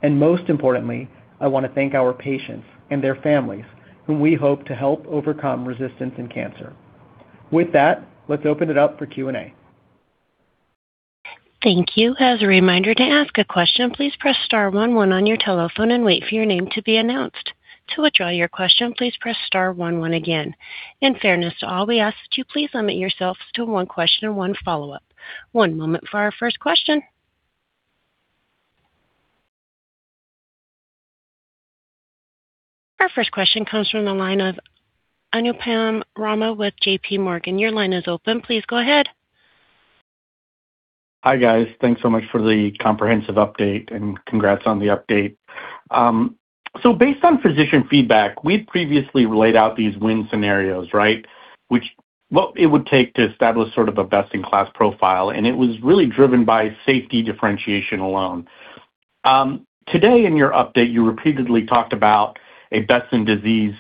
Most importantly, I want to thank our patients and their families whom we hope to help overcome resistance in cancer. With that, let's open it up for Q&A. Thank you. As a reminder to ask a question, please press star one one on your telephone and wait for your name to be announced. To withdraw your question, please press star one one again. In fairness to all, we ask that you please limit yourself to one question and one follow-up. One moment for our first question. Our first question comes from the line of Anupam Rama with JPMorgan. Your line is open. Please go ahead. Hi, guys. Thanks so much for the comprehensive update and congrats on the update. So based on physician feedback, we'd previously laid out these win scenarios, right? What it would take to establish sort of a best in class profile, and it was really driven by safety differentiation alone. Today in your update, you repeatedly talked about a best in disease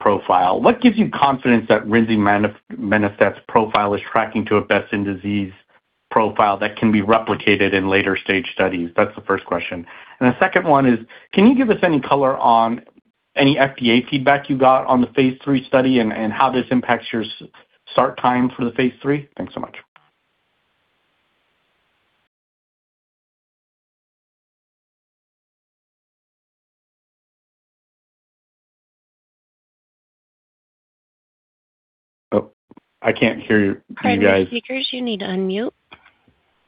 profile. What gives you confidence that rinzimetostat's profile is tracking to a best in disease profile that can be replicated in later stage studies? That's the first question. The second one is, can you give us any color on any FDA feedback you got on the phase III study and how this impacts your start time for the phase III? Thanks so much. Oh, I can't hear you. Can you guys- First, you need to unmute.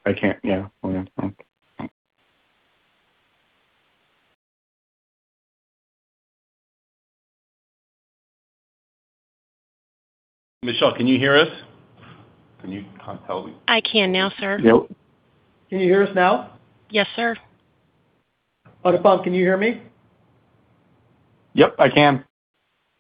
I can't. Yeah. Hold on. One. Michelle, can you hear us? Can you tell me? I can now, sir. Nope. Can you hear us now? Yes, sir. Anupam, can you hear me? Yep, I can.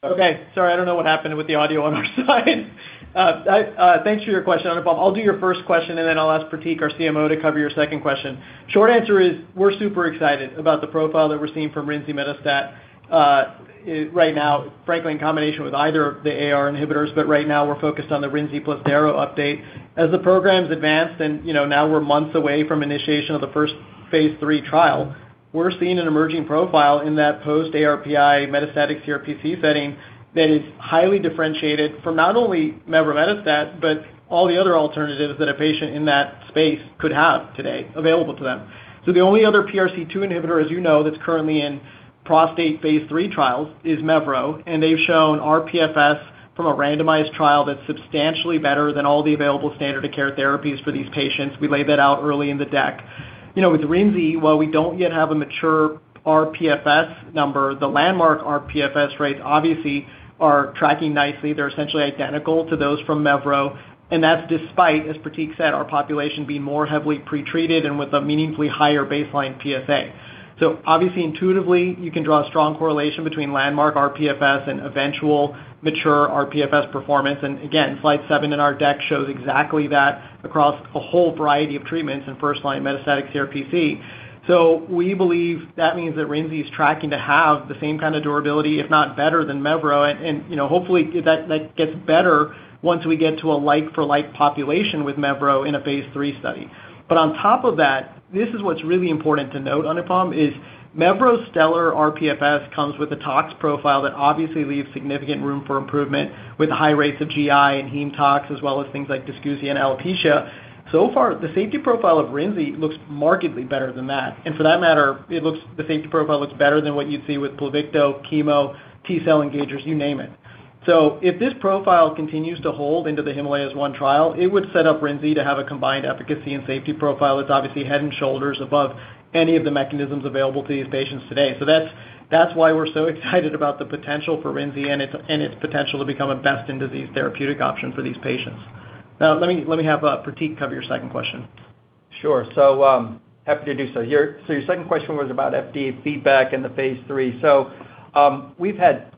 Okay. Sorry, I don't know what happened with the audio on our side. Thanks for your question, Anupam. I'll do your first question, and then I'll ask Pratik, our CMO, to cover your second question. Short answer is we're super excited about the profile that we're seeing from rinzimetostat right now, frankly, in combination with either of the AR inhibitors, but right now we're focused on the rinzimetostat plus darolutamide update. As the program's advanced and, you know, now we're months away from initiation of the first phase III trial, we're seeing an emerging profile in that post ARPI metastatic CRPC setting that is highly differentiated from not only mevrometostat, but all the other alternatives that a patient in that space could have today available to them. The only other PRC2 inhibitor, as you know, that's currently in prostate phase III trials is mevrometostat, and they've shown RPFS from a randomized trial that's substantially better than all the available standard of care therapies for these patients. We laid that out early in the deck. You know, with rinzimetostat, while we don't yet have a mature RPFS number, the landmark RPFS rates obviously are tracking nicely. They're essentially identical to those from mevrometostat, and that's despite, as Pratik said, our population being more heavily pretreated and with a meaningfully higher baseline PSA. Obviously, intuitively, you can draw a strong correlation between landmark RPFS and eventual mature RPFS performance and again, slide seven in our deck shows exactly that across a whole variety of treatments in first line metastatic CRPC. We believe that means that rinzimetostat is tracking to have the same kind of durability, if not better than mevro. You know, hopefully that gets better once we get to a like for like population with mevrometostat in a phase III study. On top of that, this is what's really important to note, Anupam, is mevrometostat stellar RPFS comes with a tox profile that obviously leaves significant room for improvement with high rates of GI and hematotoxicity, as well as things like dysgeusia and alopecia. So far, the safety profile of rinzimetostat looks markedly better than that, and for that matter, the safety profile looks better than what you'd see with PLUVICTO, chemo, T-cell engagers, you name it. If this profile continues to hold into the Himalayas-1 trial, it would set up rinzimetostat to have a combined efficacy and safety profile that's obviously head and shoulders above any of the mechanisms available to these patients today. That's why we're so excited about the potential for rinzimetostat and its potential to become a best in disease therapeutic option for these patients. Now, let me have Pratik cover your second question. Sure. Happy to do so. Your second question was about FDA feedback in the phase III. We've had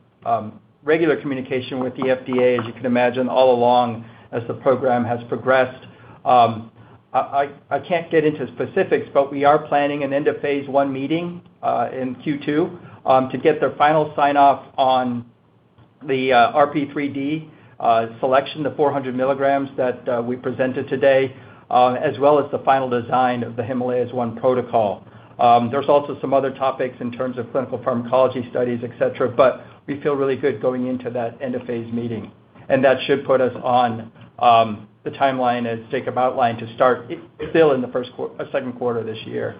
regular communication with the FDA, as you can imagine, all along as the program has progressed. I can't get into specifics, but we are planning an end-of-phase I meeting in Q2 to get their final sign-off on the RP3d selection, the 400 mg that we presented today, as well as the final design of the Himalayas-1 protocol. There's also some other topics in terms of clinical pharmacology studies, et cetera, but we feel really good going into that end-of-phase I meeting, and that should put us on the timeline as targeted to start still in the second quarter this year.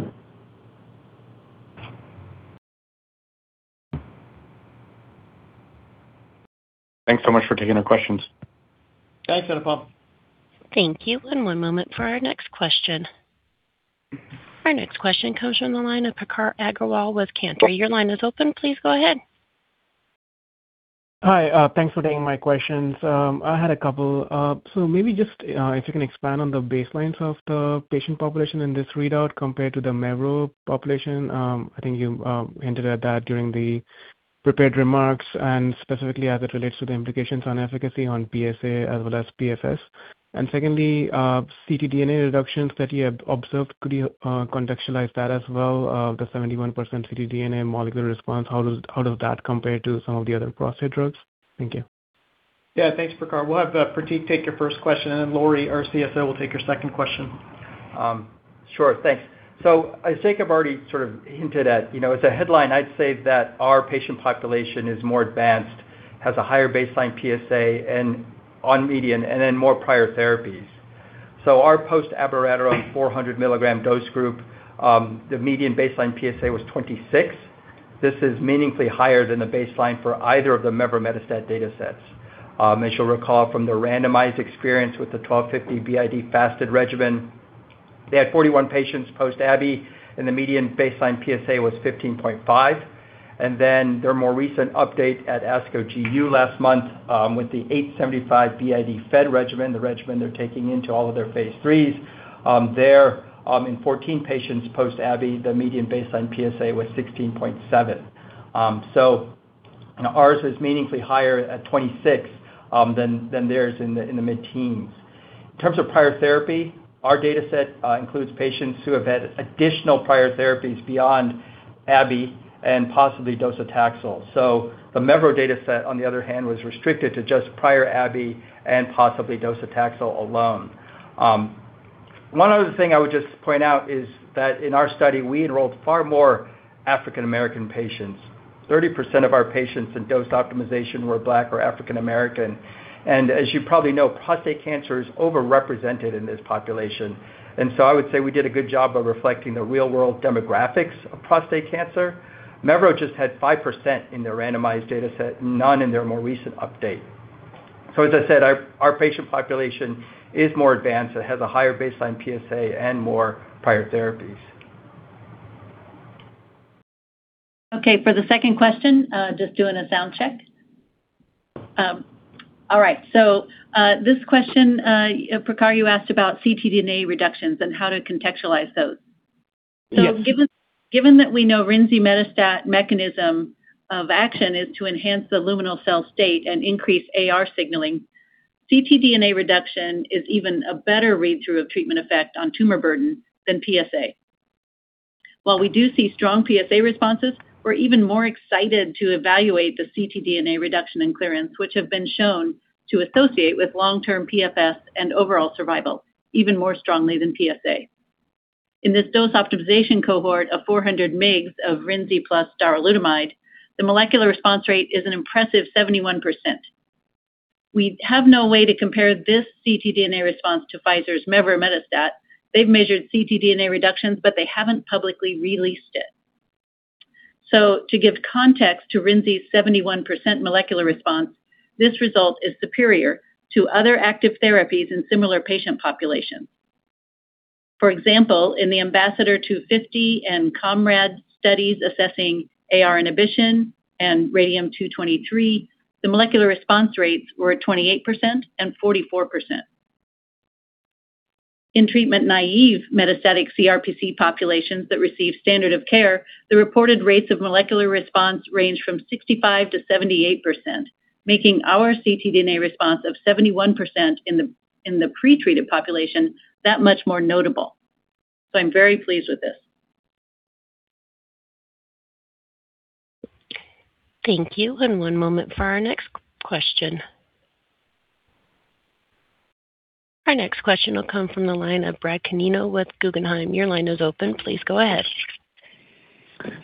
Thanks so much for taking the questions. Thanks, Anupam. Thank you, and one moment for our next question. Our next question comes from the line of Prakhar Agrawal with Cantor. Your line is open. Please go ahead. Hi. Thanks for taking my questions. I had a couple. So maybe just if you can expand on the baselines of the patient population in this readout compared to the mevrometostat population. I think you hinted at that during the prepared remarks and specifically as it relates to the implications on efficacy on PSA as well as PFS. Secondly, ctDNA reductions that you have observed, could you contextualize that as well? The 71% ctDNA molecular response, how does that compare to some of the other prostate drugs? Thank you. Yeah, thanks, Prakhar. We'll have Pratik take your first question, and then Lori, our CSO, will take your second question. Sure. Thanks. I think I've already sort of hinted at, you know, as a headline, I'd say that our patient population is more advanced, has a higher baseline PSA and median and then more prior therapies. Our post-abiraterone 400 mg dose group, the median baseline PSA was 26. This is meaningfully higher than the baseline for either of the mevrometostat datasets. As you'll recall from the randomized experience with the 1250 mg BID fasted regimen, they had 41 patients post-abiraterone, and the median baseline PSA was 15.5. Then their more recent update at ASCO GU last month, with the 875 mg BID fed regimen, the regimen they're taking into all of their phase IIIs, there in 14 patients post-abiraterone, the median baseline PSA was 16.7. Ours is meaningfully higher at 26 than theirs in the mid-teens. In terms of prior therapy, our dataset includes patients who have had additional prior therapies beyond abiraterone and possibly docetaxel. The mevrometostat dataset, on the other hand, was restricted to just prior abiraterone and possibly docetaxel alone. One other thing I would just point out is that in our study, we enrolled far more African American patients. 30% of our patients in dose optimization were Black or African American. As you probably know, prostate cancer is overrepresented in this population. I would say we did a good job of reflecting the real-world demographics of prostate cancer. Mevrometostat just had 5% in their randomized dataset, none in their more recent update. As I said, our patient population is more advanced. It has a higher baseline PSA and more prior therapies. Okay, for the second question, just doing a sound check. All right. This question, Prakhar, you asked about ctDNA reductions and how to contextualize those. Yes. Given that we know rinzimetostat mechanism of action is to enhance the luminal cell state and increase AR signaling, ctDNA reduction is even a better read-through of treatment effect on tumor burden than PSA. While we do see strong PSA responses, we're even more excited to evaluate the ctDNA reduction in clearance, which have been shown to associate with long-term PFS and overall survival even more strongly than PSA. In this dose optimization cohort of 400 mg of rinzimetostat plus darolutamide, the molecular response rate is an impressive 71%. We have no way to compare this ctDNA response to Pfizer's mevrometostat. They've measured ctDNA reductions, but they haven't publicly released it. To give context to rinzimetostat's 71% molecular response, this result is superior to other active therapies in similar patient populations. For example, in the IMbassador250 and COMRADE studies assessing AR inhibition and radium-223, the molecular response rates were 28% and 44%. In treatment-naive metastatic CRPC populations that receive standard of care, the reported rates of molecular response range from 65%-78%, making our ctDNA response of 71% in the pretreated population that much more notable. I'm very pleased with this. Thank you, and one moment for our next question. Our next question will come from the line of Brad Canino with Guggenheim. Your line is open. Please go ahead.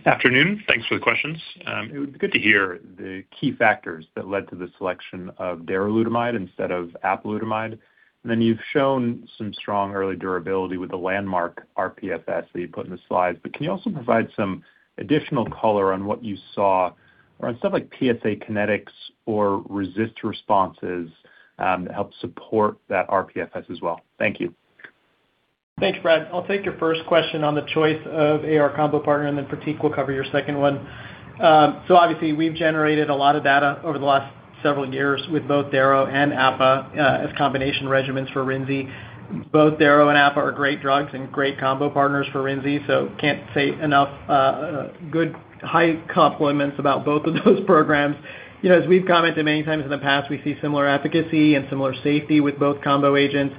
Afternoon. Thanks for the questions. It would be good to hear the key factors that led to the selection of darolutamide instead of apalutamide. You've shown some strong early durability with the landmark RPFS that you put in the slides. Can you also provide some additional color on what you saw around stuff like PSA kinetics or RECIST responses, to help support that RPFS as well? Thank you. Thanks, Brad. I'll take your first question on the choice of AR combo partner, and then Pratik will cover your second one. So obviously, we've generated a lot of data over the last several years with both darolutamide and apalutamide as combination regimens for rinzimetostat. Both darolutamide and apalutamide are great drugs and great combo partners for rinzimetostat, so can't say enough good high compliments about both of those programs. You know, as we've commented many times in the past, we see similar efficacy and similar safety with both combo agents.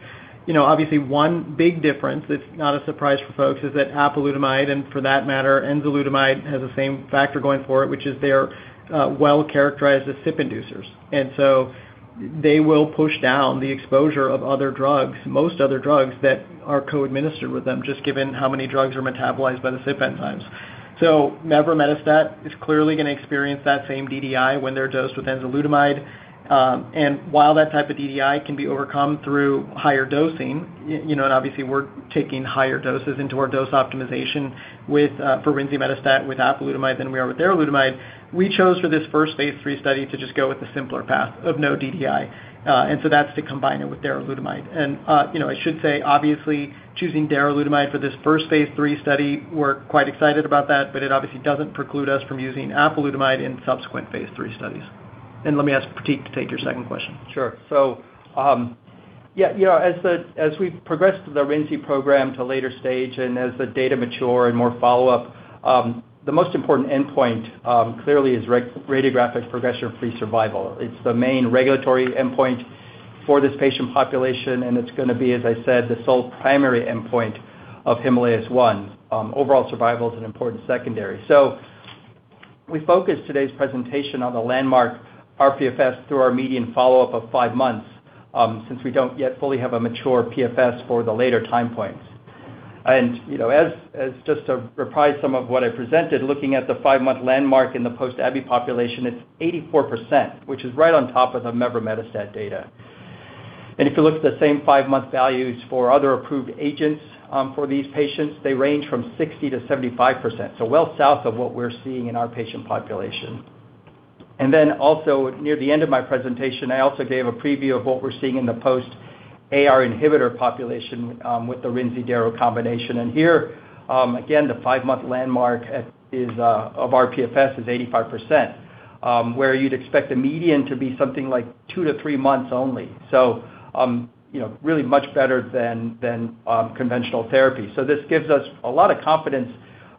You know, obviously, one big difference that's not a surprise for folks is that apalutamide, and for that matter, enzalutamide, has the same factor going for it, which is they're well characterized as CYP inducers. They will push down the exposure of other drugs, most other drugs that are co-administered with them, just given how many drugs are metabolized by the CYP enzymes. Mevrometostat is clearly gonna experience that same DDI when they're dosed with enzalutamide. While that type of DDI can be overcome through higher dosing, you know, and obviously we're taking higher doses into our dose optimization with, for rinzimetostat with apalutamide than we are with darolutamide, we chose for this first phase III study to just go with the simpler path of no DDI. That's to combine it with darolutamide. You know, I should say, obviously, choosing darolutamide for this first phase III study, we're quite excited about that, but it obviously doesn't preclude us from using apalutamide in subsequent phase III studies. Let me ask Pratik to take your second question. Sure. Yeah, you know, as we progress the rinzimetostat program to later stage and as the data mature and more follow-up, the most important endpoint, clearly is radiographic progression-free survival. It's the main regulatory endpoint for this patient population, and it's gonna be, as I said, the sole primary endpoint of Himalayas-1. Overall survival is an important secondary. We focused today's presentation on the landmark RPFS through our median follow-up of five months, since we don't yet fully have a mature PFS for the later time points. You know, just to reprise some of what I presented, looking at the five-month landmark in the post-abiraterone population, it's 84%, which is right on top of the mevrometostat data. If you look at the same five-month values for other approved agents, for these patients, they range from 60%-75%. Well south of what we're seeing in our patient population. Then also near the end of my presentation, I also gave a preview of what we're seeing in the post-AR inhibitor population, with the rinzimetostat combination. Here, again, the five-month landmark of rPFS is 85%, where you'd expect a median to be something like two to three months only. You know, really much better than conventional therapy. This gives us a lot of confidence,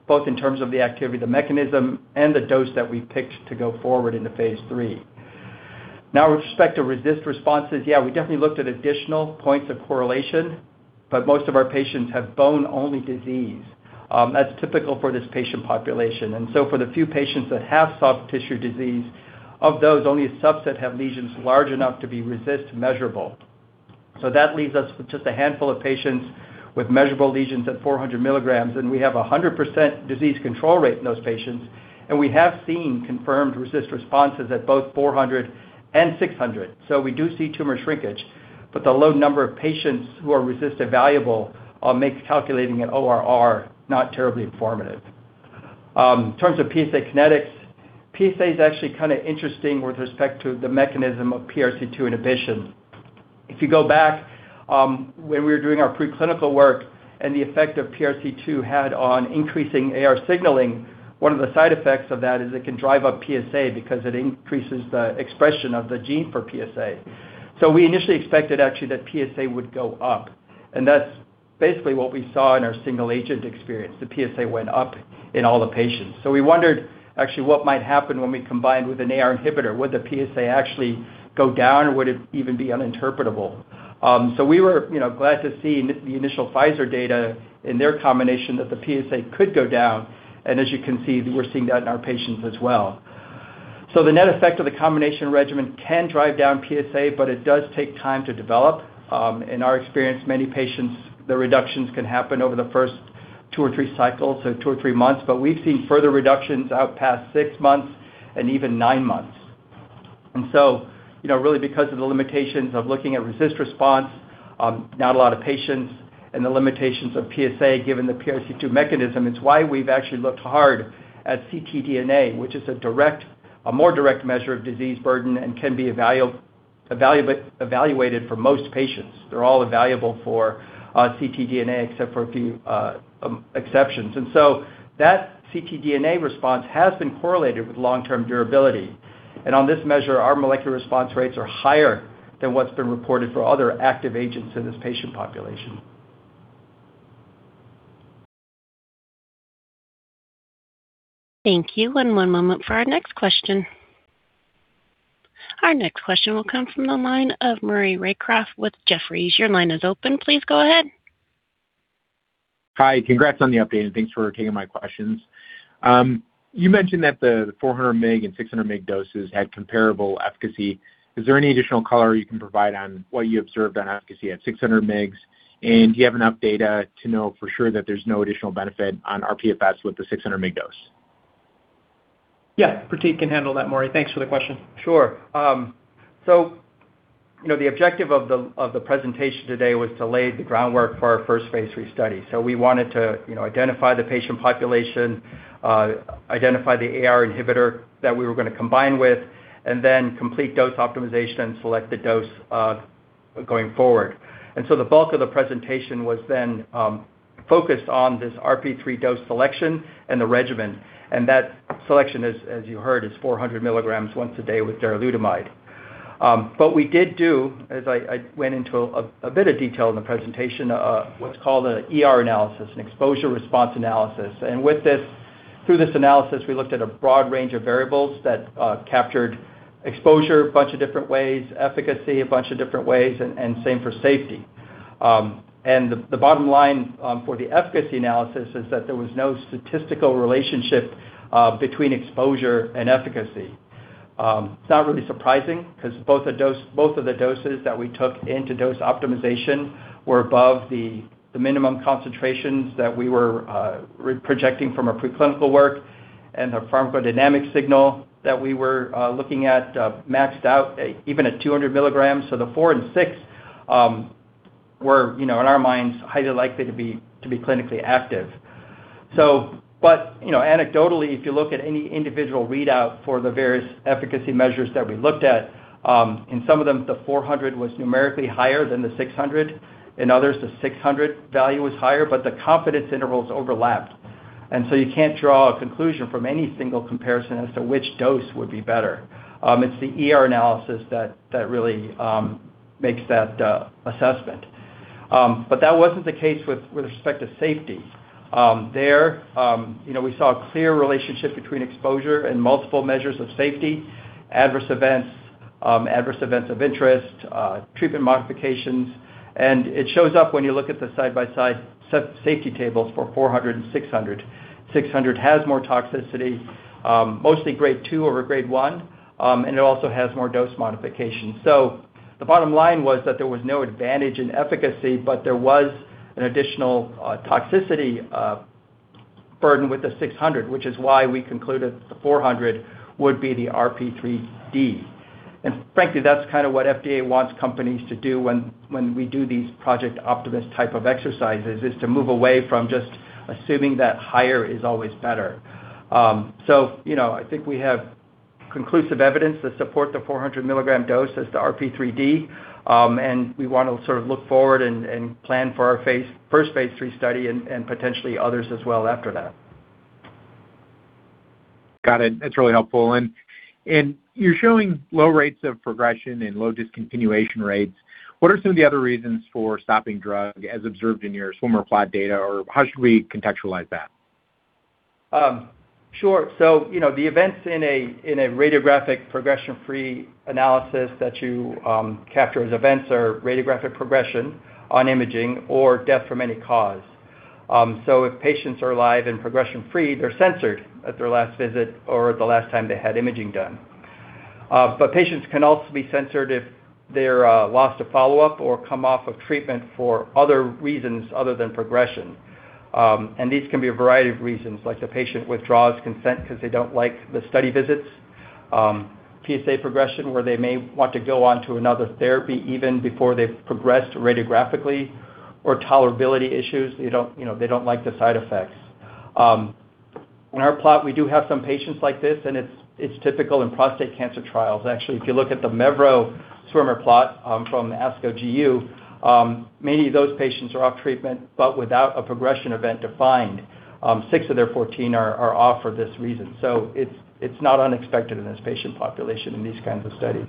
both in terms of the activity, the mechanism, and the dose that we picked to go forward into phase III. Now with respect to RECIST responses, we definitely looked at additional points of correlation, but most of our patients have bone-only disease, that's typical for this patient population. For the few patients that have soft tissue disease, of those, only a subset have lesions large enough to be RECIST measurable. That leaves us with just a handful of patients with measurable lesions at 400 mg, and we have a 100% disease control rate in those patients, and we have seen confirmed RECIST responses at both 400 mg and 600 mg. We do see tumor shrinkage, but the low number of patients who are RECIST evaluable makes calculating an ORR not terribly informative. In terms of PSA kinetics, PSA is actually kind of interesting with respect to the mechanism of PRC2 inhibition. If you go back, when we were doing our preclinical work and the effect of PRC2 had on increasing AR signaling, one of the side effects of that is it can drive up PSA because it increases the expression of the gene for PSA. We initially expected actually that PSA would go up, and that's basically what we saw in our single agent experience. The PSA went up in all the patients. We wondered actually what might happen when we combined with an AR inhibitor. Would the PSA actually go down, or would it even be uninterpretable? We were, you know, glad to see in the initial Pfizer data in their combination that the PSA could go down. As you can see, we're seeing that in our patients as well. The net effect of the combination regimen can drive down PSA, but it does take time to develop. In our experience, many patients, the reductions can happen over the first two or three cycles, so two or three months, but we've seen further reductions out past six months and even nine months. You know, really because of the limitations of looking at RECIST response, not a lot of patients and the limitations of PSA, given the PRC2 mechanism, it's why we've actually looked hard at ctDNA, which is a more direct measure of disease burden and can be evaluated for most patients. They're all evaluable for ctDNA except for a few exceptions. That ctDNA response has been correlated with long-term durability. On this measure, our molecular response rates are higher than what's been reported for other active agents in this patient population. Thank you. One moment for our next question. Our next question will come from the line of Maury Raycroft with Jefferies. Your line is open. Please go ahead. Hi. Congrats on the update, and thanks for taking my questions. You mentioned that the 400 mg and 600 mg doses had comparable efficacy. Is there any additional color you can provide on what you observed on efficacy at 600 mg? And do you have enough data to know for sure that there's no additional benefit on rPFS with the 600 mg dose? Yeah. Pratik can handle that, Maury. Thanks for the question. Sure. You know, the objective of the presentation today was to lay the groundwork for our first phase III study. We wanted to, you know, identify the patient population, identify the AR inhibitor that we were gonna combine with, and then complete dose optimization and select the dose going forward. The bulk of the presentation was then focused on this RP3D dose selection and the regimen. That selection is, as you heard, 400 mg once a day with darolutamide. We did do, as I went into a bit of detail in the presentation, what's called an exposure-response analysis, an exposure response analysis. With this analysis, we looked at a broad range of variables that captured exposure a bunch of different ways, efficacy a bunch of different ways, and same for safety. The bottom line for the efficacy analysis is that there was no statistical relationship between exposure and efficacy. It's not really surprising 'cause both of the doses that we took into dose optimization were above the minimum concentrations that we were re-projecting from our preclinical work and the pharmacodynamic signal that we were looking at maxed out even at 200 mg. The 400 mg and 600 mg were, you know, in our minds, highly likely to be clinically active. You know, anecdotally, if you look at any individual readout for the various efficacy measures that we looked at, in some of them, the 400 mg was numerically higher than the 600 mg. In others, the 600 mg value was higher, but the confidence intervals overlapped. You can't draw a conclusion from any single comparison as to which dose would be better. It's the Exposure-response analysis that really makes that assessment. That wasn't the case with respect to safety. There, you know, we saw a clear relationship between exposure and multiple measures of safety, adverse events, adverse events of interest, treatment modifications, and it shows up when you look at the side-by-side safety tables for 400 mg and 600 mg. 600 mg has more toxicity, mostly Grade 2 over Grade 1, and it also has more dose modification. The bottom line was that there was no advantage in efficacy, but there was an additional toxicity burden with the 600 mg, which is why we concluded the 400 mg would be the RP3D. Frankly, that's kind of what FDA wants companies to do when we do these Project Optimus type of exercises, is to move away from just assuming that higher is always better. You know, I think we have conclusive evidence to support the 400 mg dose as the RP3D, and we want to sort of look forward and plan for our first phase III study and potentially others as well after that. Got it. That's really helpful. You're showing low rates of progression and low discontinuation rates. What are some of the other reasons for stopping drug as observed in your swimmer plot data? Or how should we contextualize that? Sure. The events in a radiographic progression-free analysis that you capture as events are radiographic progression on imaging or death from any cause. If patients are alive and progression-free, they're censored at their last visit or the last time they had imaging done. Patients can also be censored if they're lost to follow-up or come off of treatment for other reasons other than progression. These can be a variety of reasons, like the patient withdraws consent 'cause they don't like the study visits, PSA progression, where they may want to go on to another therapy even before they've progressed radiographically, or tolerability issues, they don't, you know, they don't like the side effects. In our plot, we do have some patients like this, and it's typical in prostate cancer trials. Actually, if you look at the mevrometostat swimmer plot from ASCO GU, many of those patients are off treatment, but without a progression event defined. Six of their 14 are off for this reason. So it's not unexpected in this patient population in these kinds of studies.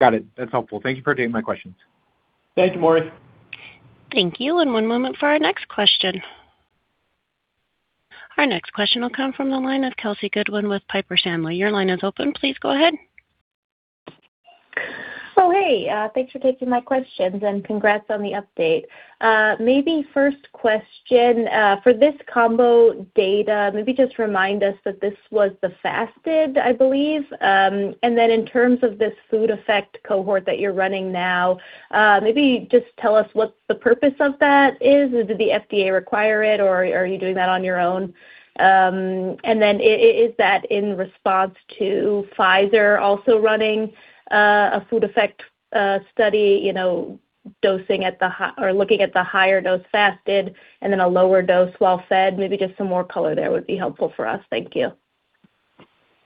Got it. That's helpful. Thank you for taking my questions. Thank you, Maury. Thank you. One moment for our next question. Our next question will come from the line of Kelsey Goodwin with Piper Sandler. Your line is open. Please go ahead. Hey, thanks for taking my questions, and congrats on the update. Maybe first question, for this combo data, maybe just remind us that this was the fasted, I believe. And then in terms of this food effect cohort that you're running now, maybe just tell us what the purpose of that is. Did the FDA require it, or are you doing that on your own? And then is that in response to Pfizer also running a food effect study, you know, dosing at the higher dose fasted and then a lower dose while fed? Maybe just some more color there would be helpful for us. Thank you.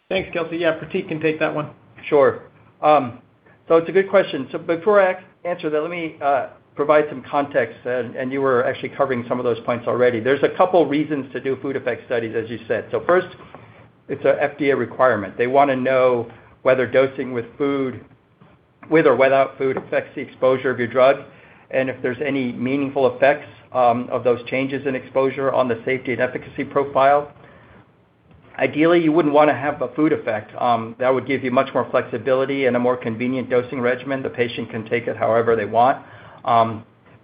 Thanks, Kelsey. Yeah, Pratik can take that one. Sure. It's a good question. Before I answer that, let me provide some context, and you were actually covering some of those points already. There's a couple reasons to do food effect studies, as you said. First, it's an FDA requirement. They wanna know whether dosing with or without food affects the exposure of your drug, and if there's any meaningful effects of those changes in exposure on the safety and efficacy profile. Ideally, you wouldn't wanna have a food effect that would give you much more flexibility and a more convenient dosing regimen. The patient can take it however they want.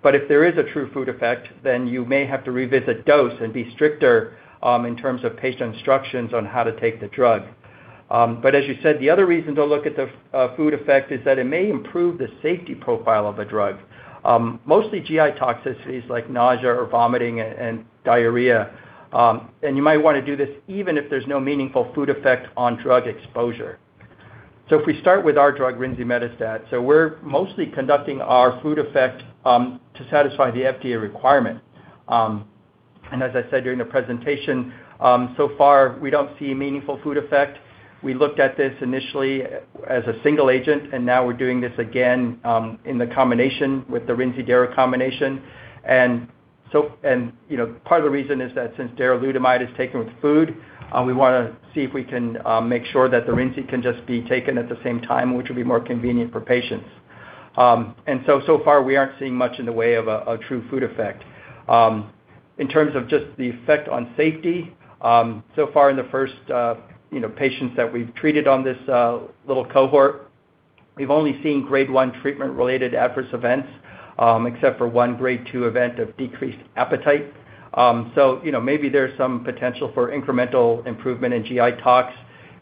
If there is a true food effect, then you may have to revisit dose and be stricter in terms of patient instructions on how to take the drug. As you said, the other reason to look at the food effect is that it may improve the safety profile of a drug, mostly GI toxicities like nausea or vomiting and diarrhea. You might wanna do this even if there's no meaningful food effect on drug exposure. If we start with our drug, rinzimetostat, we're mostly conducting our food effect to satisfy the FDA requirement. As I said during the presentation, so far, we don't see a meaningful food effect. We looked at this initially as a single agent, and now we're doing this again in the combination with the rinzimetostat-darolutamide combination. You know, part of the reason is that since darolutamide is taken with food, we wanna see if we can make sure that the rinzimetostat can just be taken at the same time, which will be more convenient for patients. So far, we aren't seeing much in the way of a true food effect. In terms of just the effect on safety, so far in the first, you know, patients that we've treated on this little cohort, we've only seen Grade 1 treatment-related adverse events, except for one Grade 2 event of decreased appetite. You know, maybe there's some potential for incremental improvement in GI tox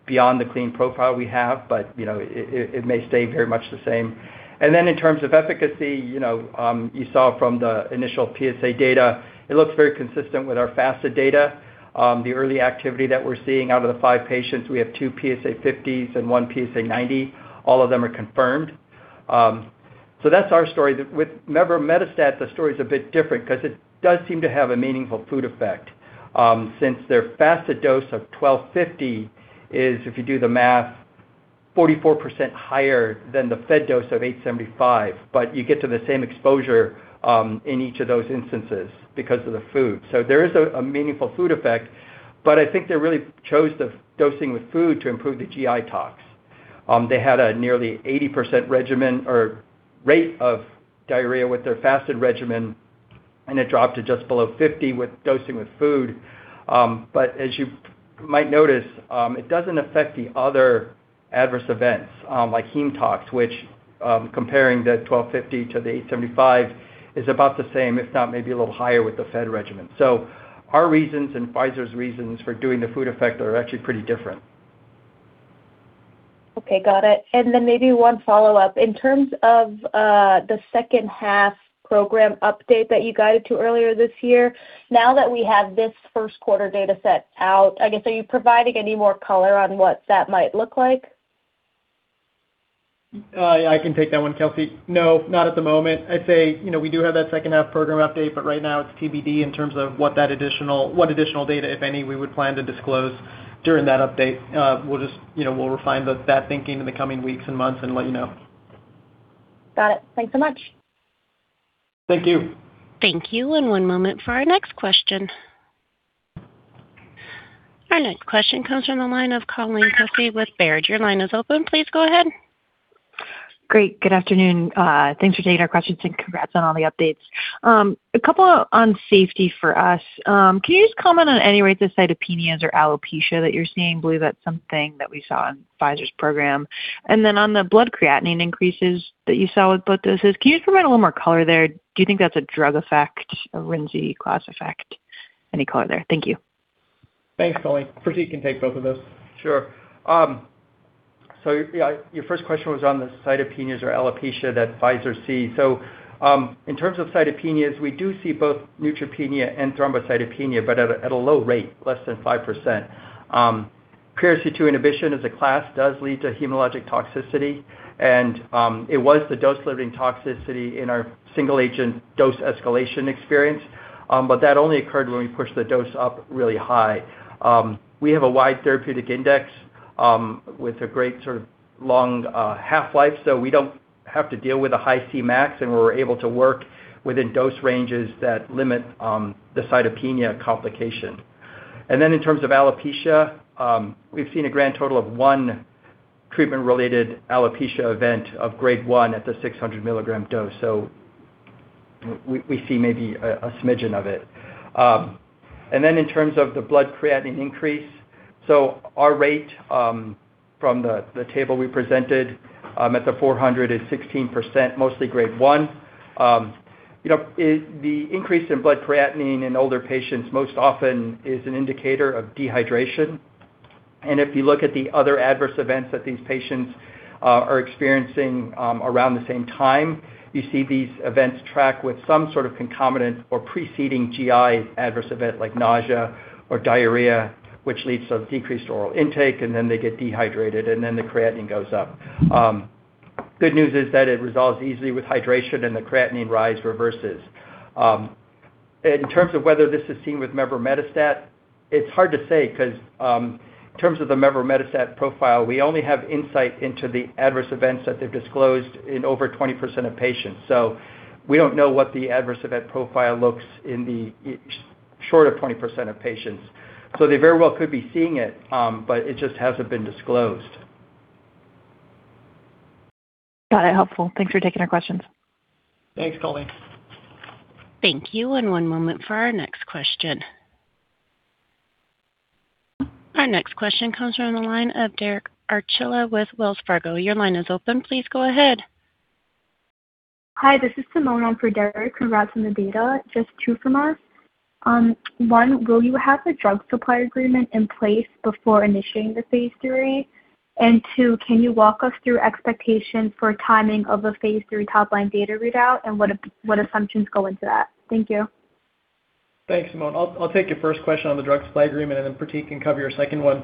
beyond the clean profile we have, but, you know, it may stay very much the same. In terms of efficacy, you know, you saw from the initial PSA data, it looks very consistent with our fasted data. The early activity that we're seeing out of the five patients, we have two PSA50s and one PSA90. All of them are confirmed. So that's our story. With mevrometostat, the story's a bit different 'cause it does seem to have a meaningful food effect, since their fasted dose of 1250 mg is, if you do the math, 44% higher than the fed dose of 875 mg, but you get to the same exposure, in each of those instances because of the food. So there is a meaningful food effect, but I think they really chose the dosing with food to improve the GI tox. They had a nearly 80% regimen or rate of diarrhea with their fasted regimen, and it dropped to just below 50% with dosing with food. As you might notice, it doesn't affect the other adverse events, like heme tox, which, comparing the 1250 mg to the 875 mg is about the same, if not maybe a little higher with the fed regimen. Our reasons and Pfizer's reasons for doing the food effect are actually pretty different. Okay, got it. Maybe one follow-up. In terms of the second half program update that you guided to earlier this year, now that we have this first quarter data set out, I guess, are you providing any more color on what that might look like? I can take that one, Kelsey. No, not at the moment. I'd say, you know, we do have that second half program update, but right now it's TBD in terms of what additional data, if any, we would plan to disclose during that update. We'll just, you know, we'll refine that thinking in the coming weeks and months and let you know. Got it. Thanks so much. Thank you. Thank you. One moment for our next question. Our next question comes from the line of Colleen Kusy with Baird. Your line is open. Please go ahead. Great. Good afternoon. Thanks for taking our questions, and congrats on all the updates. A couple on safety for us. Can you just comment on any rates of cytopenias or alopecia that you're seeing? Believe that's something that we saw in Pfizer's program. On the blood creatinine increases that you saw with both doses, can you just provide a little more color there? Do you think that's a drug effect, a rinzimetostat class effect? Any color there? Thank you. Thanks, Colleen. Pratik can take both of those. Sure. Your first question was on the cytopenias or alopecia that Pfizer sees. In terms of cytopenias, we do see both neutropenia and thrombocytopenia, but at a low rate, less than 5%. PRC2 inhibition as a class does lead to hematologic toxicity, and it was the dose-limiting toxicity in our single agent dose escalation experience, but that only occurred when we pushed the dose up really high. We have a wide therapeutic index with a great sort of long half-life, so we don't have to deal with a high Cmax, and we're able to work within dose ranges that limit the cytopenia complication. In terms of alopecia, we've seen a grand total of one treatment-related alopecia event of Grade 1 at the 600 mg dose. We see maybe a smidgen of it. In terms of the blood creatinine increase, our rate from the table we presented at the 400 mg is 16%, mostly Grade 1. The increase in blood creatinine in older patients most often is an indicator of dehydration. If you look at the other adverse events that these patients are experiencing around the same time, you see these events track with some sort of concomitant or preceding GI adverse event like nausea or diarrhea, which leads to decreased oral intake, and then they get dehydrated, and then the creatinine goes up. Good news is that it resolves easily with hydration, and the creatinine rise reverses. In terms of whether this is seen with mevrometostat, it's hard to say 'cause in terms of the mevrometostat profile, we only have insight into the adverse events that they've disclosed in over 20% of patients. We don't know what the adverse event profile looks in the short of 20% of patients. They very well could be seeing it, but it just hasn't been disclosed. Got it. Helpful. Thanks for taking our questions. Thanks, Colleen. Thank you. One moment for our next question. Our next question comes from the line of Derek Archila with Wells Fargo. Your line is open. Please go ahead. Hi, this is Simone on for Derek. Congrats on the data. Just two from us. One, will you have the drug supply agreement in place before initiating the phase III? Two, can you walk us through expectation for timing of the phase III top-line data readout, and what assumptions go into that? Thank you. Thanks, Simone. I'll take your first question on the drug supply agreement, and then Pratik can cover your second one.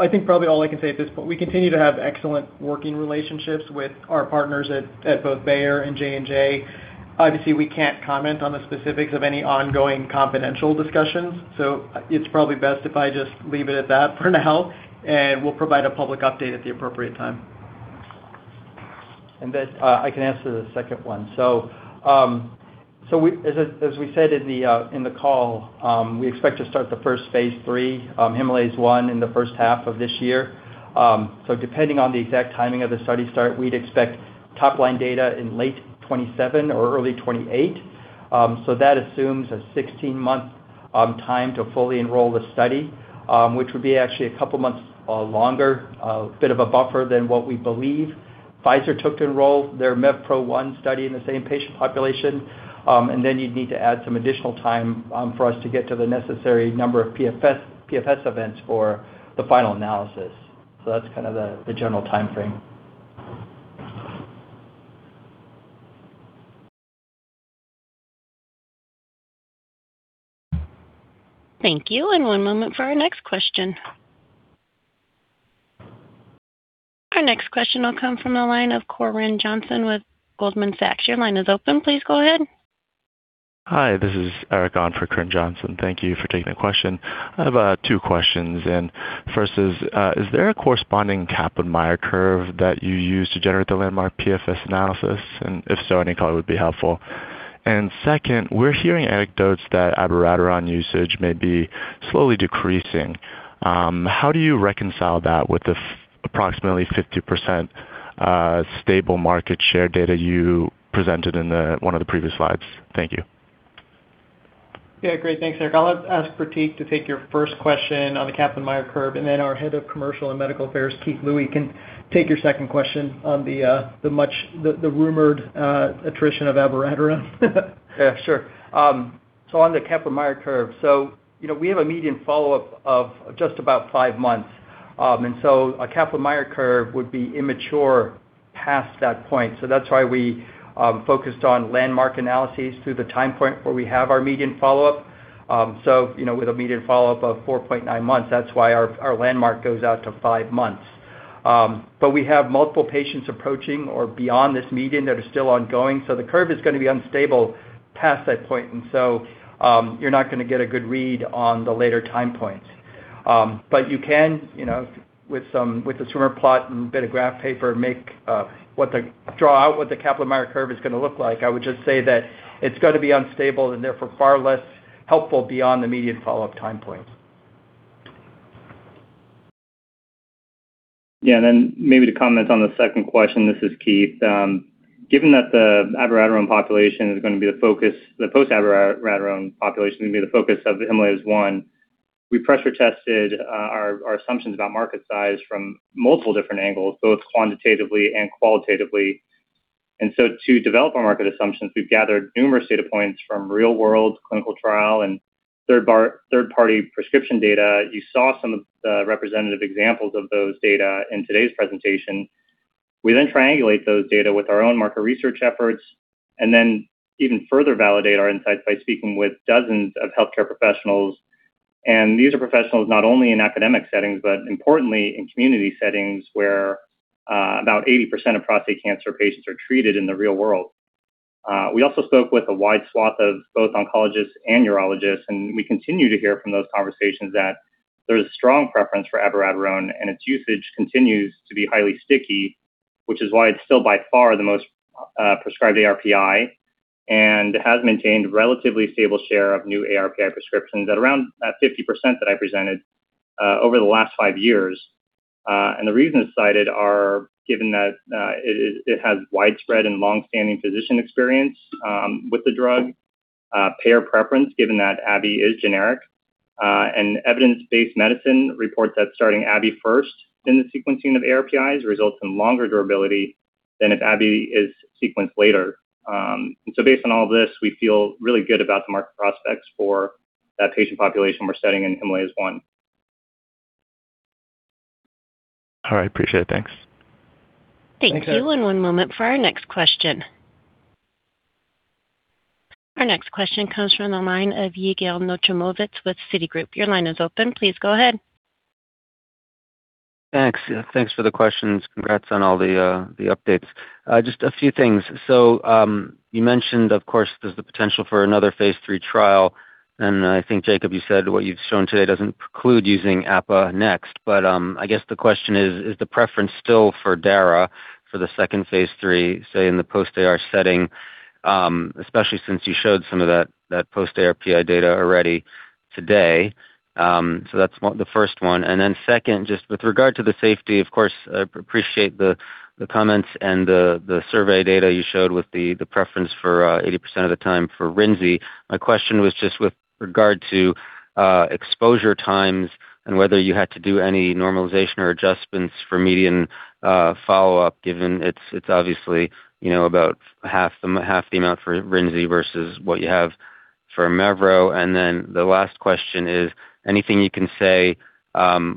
I think probably all I can say at this point, we continue to have excellent working relationships with our partners at both Bayer and Johnson & Johnson. Obviously, we can't comment on the specifics of any ongoing confidential discussions, so it's probably best if I just leave it at that for now, and we'll provide a public update at the appropriate time. I can answer the second one. We said in the call, we expect to start the first phase III, Himalayas-1 in the first half of this year. Depending on the exact timing of the study start, we'd expect top-line data in late 2027 or early 2028. That assumes a 16-month time to fully enroll the study, which would be actually a couple months longer, bit of a buffer than what we believe Pfizer took to enroll their MEVPRO-1 study in the same patient population. You'd need to add some additional time for us to get to the necessary number of PFS events for the final analysis. That's kind of the general timeframe. Thank you. One moment for our next question. Our next question will come from the line of Corinne Johnson with Goldman Sachs. Your line is open. Please go ahead. Hi, this is Erik on for Corrine Johnson. Thank you for taking the question. I have two questions, and first is there a corresponding Kaplan-Meier curve that you use to generate the landmark PFS analysis? And if so, any color would be helpful. And second, we're hearing anecdotes that abiraterone usage may be slowly decreasing. How do you reconcile that with the approximately 50% stable market share data you presented in one of the previous slides? Thank you. Yeah. Great. Thanks, Erik. I'll ask Pratik to take your first question on the Kaplan-Meier curve, and then our Head of Commercial and Medical Affairs, Keith Lui, can take your second question on the rumored attrition of abiraterone. Yeah, sure. On the Kaplan-Meier curve, you know, we have a median follow-up of just about five months. A Kaplan-Meier curve would be immature past that point. That's why we focused on landmark analyses through the time point where we have our median follow-up. You know, with a median follow-up of 4.9 months, that's why our landmark goes out to five months. We have multiple patients approaching or beyond this median that are still ongoing, so the curve is gonna be unstable past that point. You're not gonna get a good read on the later time points. You can, you know, with the swimmer plot and a bit of graph paper, make draw out what the Kaplan-Meier curve is gonna look like. I would just say that it's gonna be unstable and therefore far less helpful beyond the median follow-up time points. Yeah, maybe to comment on the second question, this is Keith. Given that the abiraterone population is gonna be the focus, the post-abiraterone population is gonna be the focus of the Himalayas-1, we pressure tested our assumptions about market size from multiple different angles, both quantitatively and qualitatively. To develop our market assumptions, we've gathered numerous data points from real world clinical trial and third-party prescription data. You saw some of the representative examples of those data in today's presentation. We then triangulate those data with our own market research efforts, and then even further validate our insights by speaking with dozens of healthcare professionals. These are professionals not only in academic settings, but importantly in community settings where about 80% of prostate cancer patients are treated in the real world. We also spoke with a wide swath of both oncologists and urologists, and we continue to hear from those conversations that there is strong preference for abiraterone, and its usage continues to be highly sticky, which is why it's still by far the most prescribed ARPI, and has maintained relatively stable share of new ARPI prescriptions at around that 50% that I presented over the last five years. The reasons cited are given that it has widespread and long-standing physician experience with the drug, payer preference, given that abiraterone is generic, and evidence-based medicine reports that starting abiraterone first in the sequencing of ARPIs results in longer durability than if abiraterone is sequenced later. Based on all this, we feel really good about the market prospects for that patient population we're targeting in Himalayas-1. All right, appreciate it. Thanks. Thanks, Erik. Thank you. One moment for our next question. Our next question comes from the line of Yigal Nochomovitz with Citigroup. Your line is open. Please go ahead. Thanks. Thanks for the questions. Congrats on all the updates. Just a few things. You mentioned, of course, there's the potential for another phase III trial, and I think, Jacob, you said what you've shown today doesn't preclude using APA next. I guess the question is the preference still for darolutamide for the second phase III, say in the post-AR setting, especially since you showed some of that post ARPI data already today. That's one, the first one. Then second, just with regard to the safety, of course, appreciate the comments and the survey data you showed with the preference for 80% of the time for rinzimetostat. My question was just with regard to exposure times and whether you had to do any normalization or adjustments for median follow-up, given it's obviously, you know, about half the amount for rinzimetostat versus what you have for mevrometostat. The last question is, anything you can say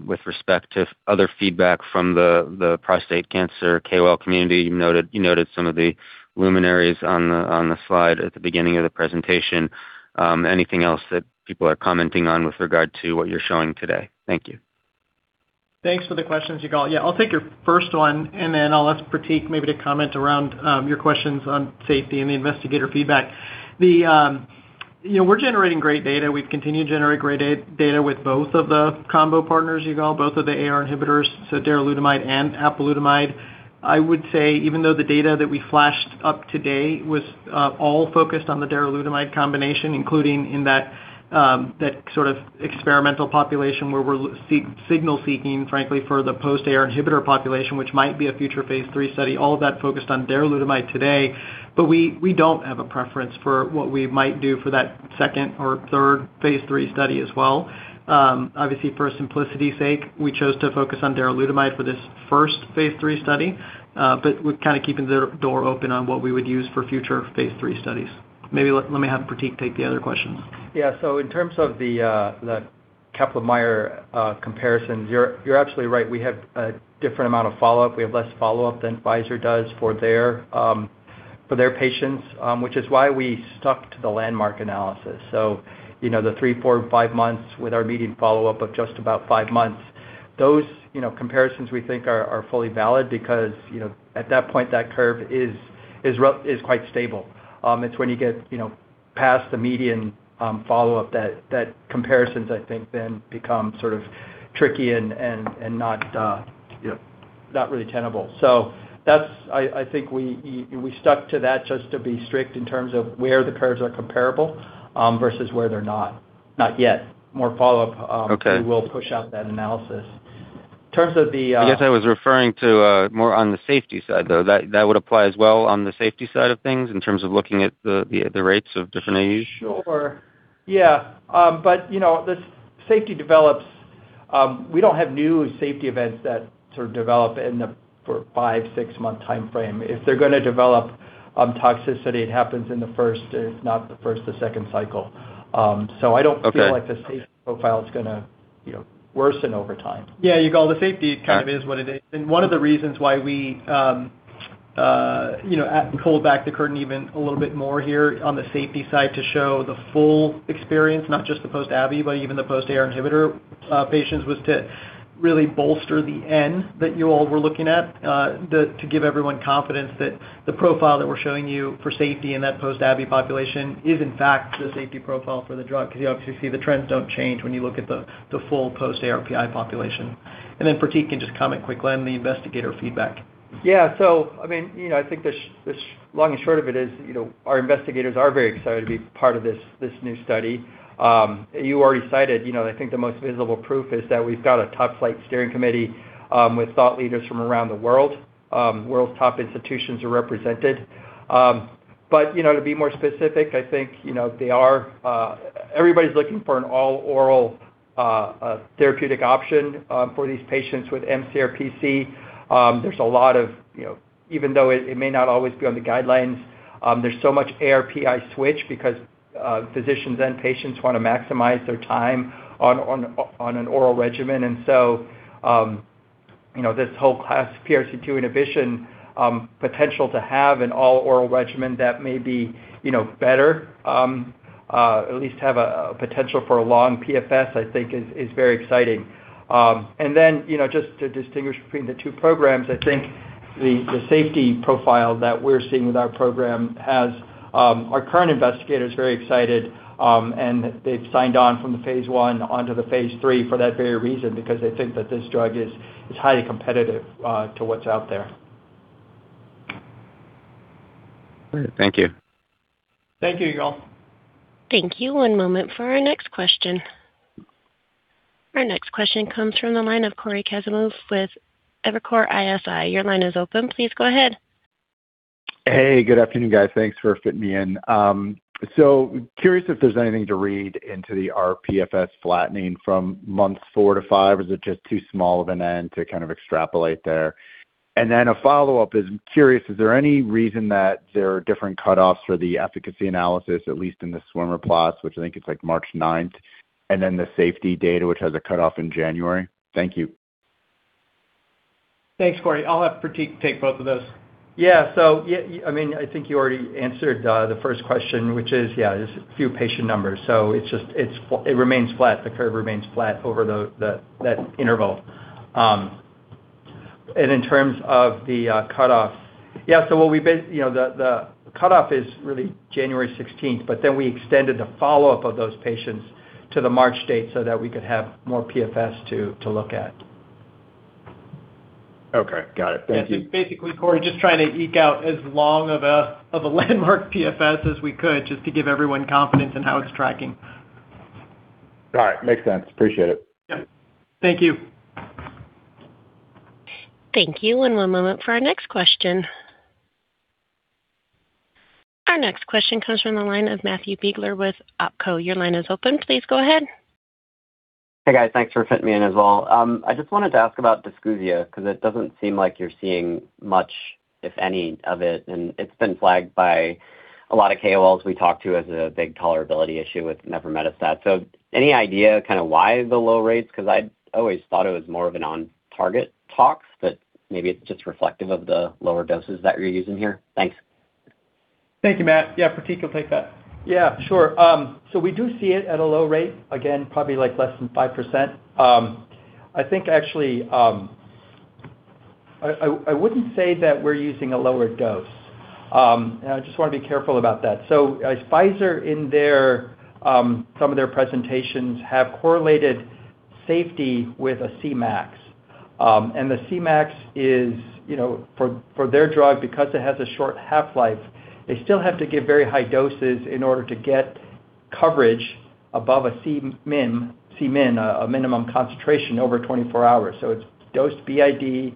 with respect to other feedback from the prostate cancer KOL community? You noted some of the luminaries on the slide at the beginning of the presentation. Anything else that people are commenting on with regard to what you're showing today? Thank you. Thanks for the questions, Yigal. Yeah, I'll take your first one, and then I'll ask Pratik maybe to comment around your questions on safety and the investigator feedback. You know, we're generating great data. We've continued to generate great data with both of the combo partners, Yigal, both of the AR inhibitors, so darolutamide and apalutamide. I would say, even though the data that we flashed up today was all focused on the darolutamide combination, including in that sort of experimental population where we're signal-seeking, frankly, for the post AR inhibitor population, which might be a future phase III study, all of that focused on darolutamide today. We don't have a preference for what we might do for that second or third phase III study as well. Obviously, for simplicity's sake, we chose to focus on darolutamide for this first phase III study, but we're kinda keeping the door open on what we would use for future phase III studies. Maybe let me have Pratik take the other questions. Yeah. In terms of the Kaplan-Meier comparison, you're absolutely right. We have a different amount of follow-up. We have less follow-up than Pfizer does for their patients, which is why we stuck to the landmark analysis. You know, the three, four, five months with our median follow-up of just about five months, those comparisons we think are fully valid because, you know, at that point, that curve is quite stable. It's when you get, you know, past the median follow-up that comparisons, I think, then become sort of tricky and not really tenable. That's. I think we stuck to that just to be strict in terms of where the curves are comparable versus where they're not yet. More follow-up. Okay. We will push out that analysis. In terms of the- I guess I was referring to more on the safety side, though. That would apply as well on the safety side of things in terms of looking at the rates of different AEs? Sure. Yeah. You know, the safety develops. We don't have new safety events that sort of develop in the five to six-month timeframe. If they're gonna develop toxicity, it happens in the first, if not the first, the second cycle. I don't- Okay. I feel like the safety profile is gonna, you know, worsen over time. Yeah, Yigal, the safety kind of is what it is. One of the reasons why we, you know, pull back the curtain even a little bit more here on the safety side to show the full experience, not just the post-abiraterone, but even the post-AR inhibitor patients, was to really bolster the N that you all were looking at, to give everyone confidence that the profile that we're showing you for safety in that post-abiraterone population is in fact the safety profile for the drug. 'Cause you obviously see the trends don't change when you look at the full post-ARPI population. Then Pratik can just comment quickly on the investigator feedback. Yeah. I mean, you know, I think the long and short of it is, you know, our investigators are very excited to be part of this new study. You already cited, you know, I think the most visible proof is that we've got a topflight steering committee with thought leaders from around the world. World's top institutions are represented. To be more specific, I think, you know, they are everybody's looking for an all-oral therapeutic option for these patients with mCRPC. There's a lot of, you know, even though it may not always be on the guidelines, there's so much ARPI switch because physicians and patients wanna maximize their time on an oral regimen. This whole class PRC2 inhibition potential to have an all-oral regimen that may be, you know, better, at least have a potential for a long PFS, I think is very exciting. You know, just to distinguish between the two programs, I think the safety profile that we're seeing with our program has our current investigators very excited. They've signed on from the phase I onto the phase III for that very reason, because they think that this drug is highly competitive to what's out there. All right. Thank you. Thank you, Yigal. Thank you. One moment for our next question. Our next question comes from the line of Cory Kasimov with Evercore ISI. Your line is open. Please go ahead. Hey, good afternoon, guys. Thanks for fitting me in. So curious if there's anything to read into the RPFS flattening from months four to five, or is it just too small of an n to kind of extrapolate there? A follow-up is, I'm curious, is there any reason that there are different cutoffs for the efficacy analysis, at least in the swimmer plots, which I think it's like March 9, and then the safety data, which has a cutoff in January? Thank you. Thanks, Cory. I'll have Pratik take both of those. Yeah. I mean, I think you already answered the first question, which is, yeah, there's a few patient numbers, so it's just it remains flat. The curve remains flat over that interval. In terms of the cutoff. Yeah, so you know, the cutoff is really January 16th, but then we extended the follow-up of those patients to the March date so that we could have more PFS to look at. Okay, got it. Thank you. Yeah. Basically, Cory, just trying to eke out as long of a landmark PFS as we could just to give everyone confidence in how it's tracking. All right. Makes sense. Appreciate it. Yeah. Thank you. Thank you. One moment for our next question. Our next question comes from the line of Matthew Biegler with Oppenheimer & Co. Your line is open. Please go ahead. Hey, guys. Thanks for fitting me in as well. I just wanted to ask about dysgeusia 'cause it doesn't seem like you're seeing much, if any, of it, and it's been flagged by a lot of KOLs we talk to as a big tolerability issue with mevrometostat. Any idea kinda why the low rates? 'Cause I always thought it was more of a non-target tox, but maybe it's just reflective of the lower doses that you're using here. Thanks. Thank you, Matt. Yeah, Pratik will take that. Yeah, sure. We do see it at a low rate, again, probably like less than 5%. I think actually, I wouldn't say that we're using a lower dose. I just wanna be careful about that. Pfizer in some of their presentations have correlated safety with a Cmax. The Cmax is, you know, for their drug because it has a short half-life, they still have to give very high doses in order to get coverage above a Cmin, a minimum concentration over 24 hours. It's dosed BID,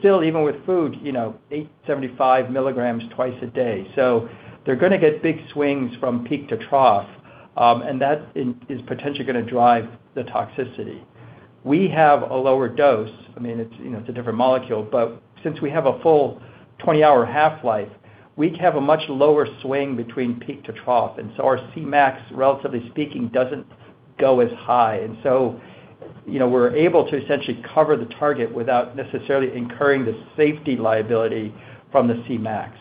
still even with food, you know, 875 mg twice a day. They're gonna get big swings from peak to trough, and that is potentially gonna drive the toxicity. We have a lower dose. I mean, it's, you know, it's a different molecule, but since we have a full 20-hour half-life, we have a much lower swing between peak to trough. Our Cmax, relatively speaking, doesn't go as high. You know, we're able to essentially cover the target without necessarily incurring the safety liability from the Cmax.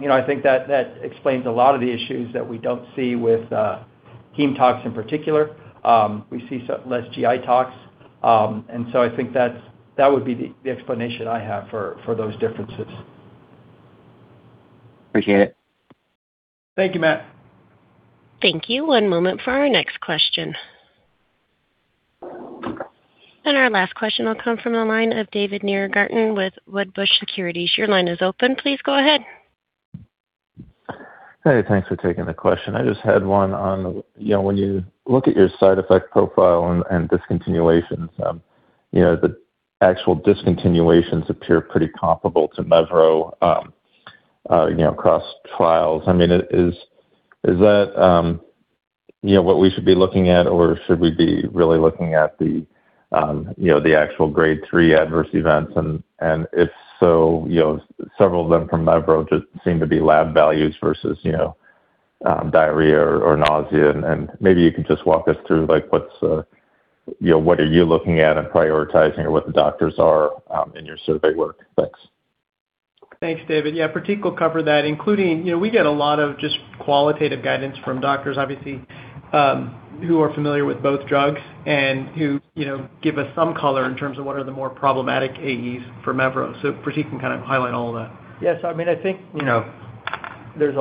You know, I think that explains a lot of the issues that we don't see with heme tox in particular. We see less GI tox, and I think that would be the explanation I have for those differences. Appreciate it. Thank you, Matt. Thank you. One moment for our next question. Our last question will come from the line of David Nierengarten with Wedbush Securities. Your line is open. Please go ahead. Hey, thanks for taking the question. I just had one on, you know, when you look at your side effect profile and discontinuations, you know, the actual discontinuations appear pretty comparable to mevrometostat, you know, across trials. I mean, is that, you know, what we should be looking at, or should we be really looking at the, you know, the actual Grade 3 adverse events? If so, you know, several of them from mevrometostat just seem to be lab values versus, you know, diarrhea or nausea and maybe you could just walk us through like what's, you know, what are you looking at and prioritizing or what the doctors are in your survey work? Thanks. Thanks, David. Yeah, Pratik will cover that, including, you know, we get a lot of just qualitative guidance from doctors, obviously, who are familiar with both drugs and who, you know, give us some color in terms of what are the more problematic AEs for mevrometostat. Pratik can kind of highlight all that. Yes. I mean, I think, you know, there's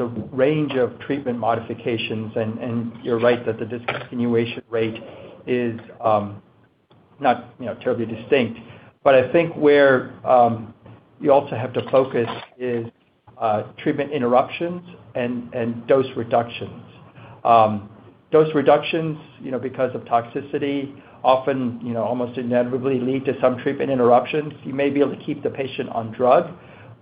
a range of treatment modifications, and you're right that the discontinuation rate is not, you know, terribly distinct. I think where you also have to focus is treatment interruptions and dose reductions. Dose reductions, you know, because of toxicity, often, you know, almost inevitably lead to some treatment interruptions. You may be able to keep the patient on drug,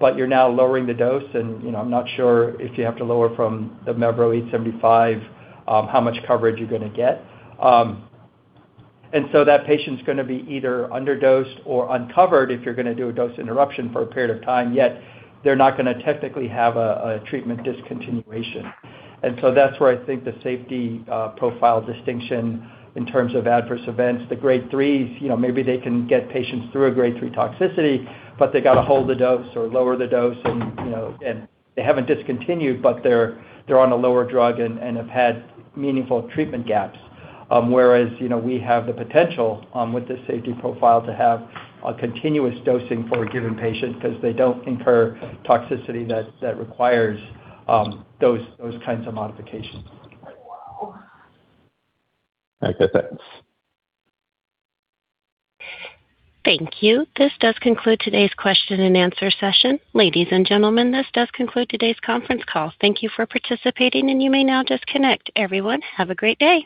but you're now lowering the dose and, you know, I'm not sure if you have to lower from the mevrometostat 875 mg, how much coverage you're gonna get. That patient's gonna be either underdosed or uncovered if you're gonna do a dose interruption for a period of time, yet they're not gonna technically have a treatment discontinuation. That's where I think the safety profile distinction in terms of adverse events. The Grade 3s, you know, maybe they can get patients through a Grade 3 toxicity, but they gotta hold the dose or lower the dose and, you know, they haven't discontinued, but they're on a lower drug and have had meaningful treatment gaps. Whereas, you know, we have the potential with this safety profile to have a continuous dosing for a given patient 'cause they don't incur toxicity that requires those kinds of modifications. Okay, thanks. Thank you. This does conclude today's question and answer session. Ladies and gentlemen, this does conclude today's conference call. Thank you for participating, and you may now disconnect. Everyone, have a great day.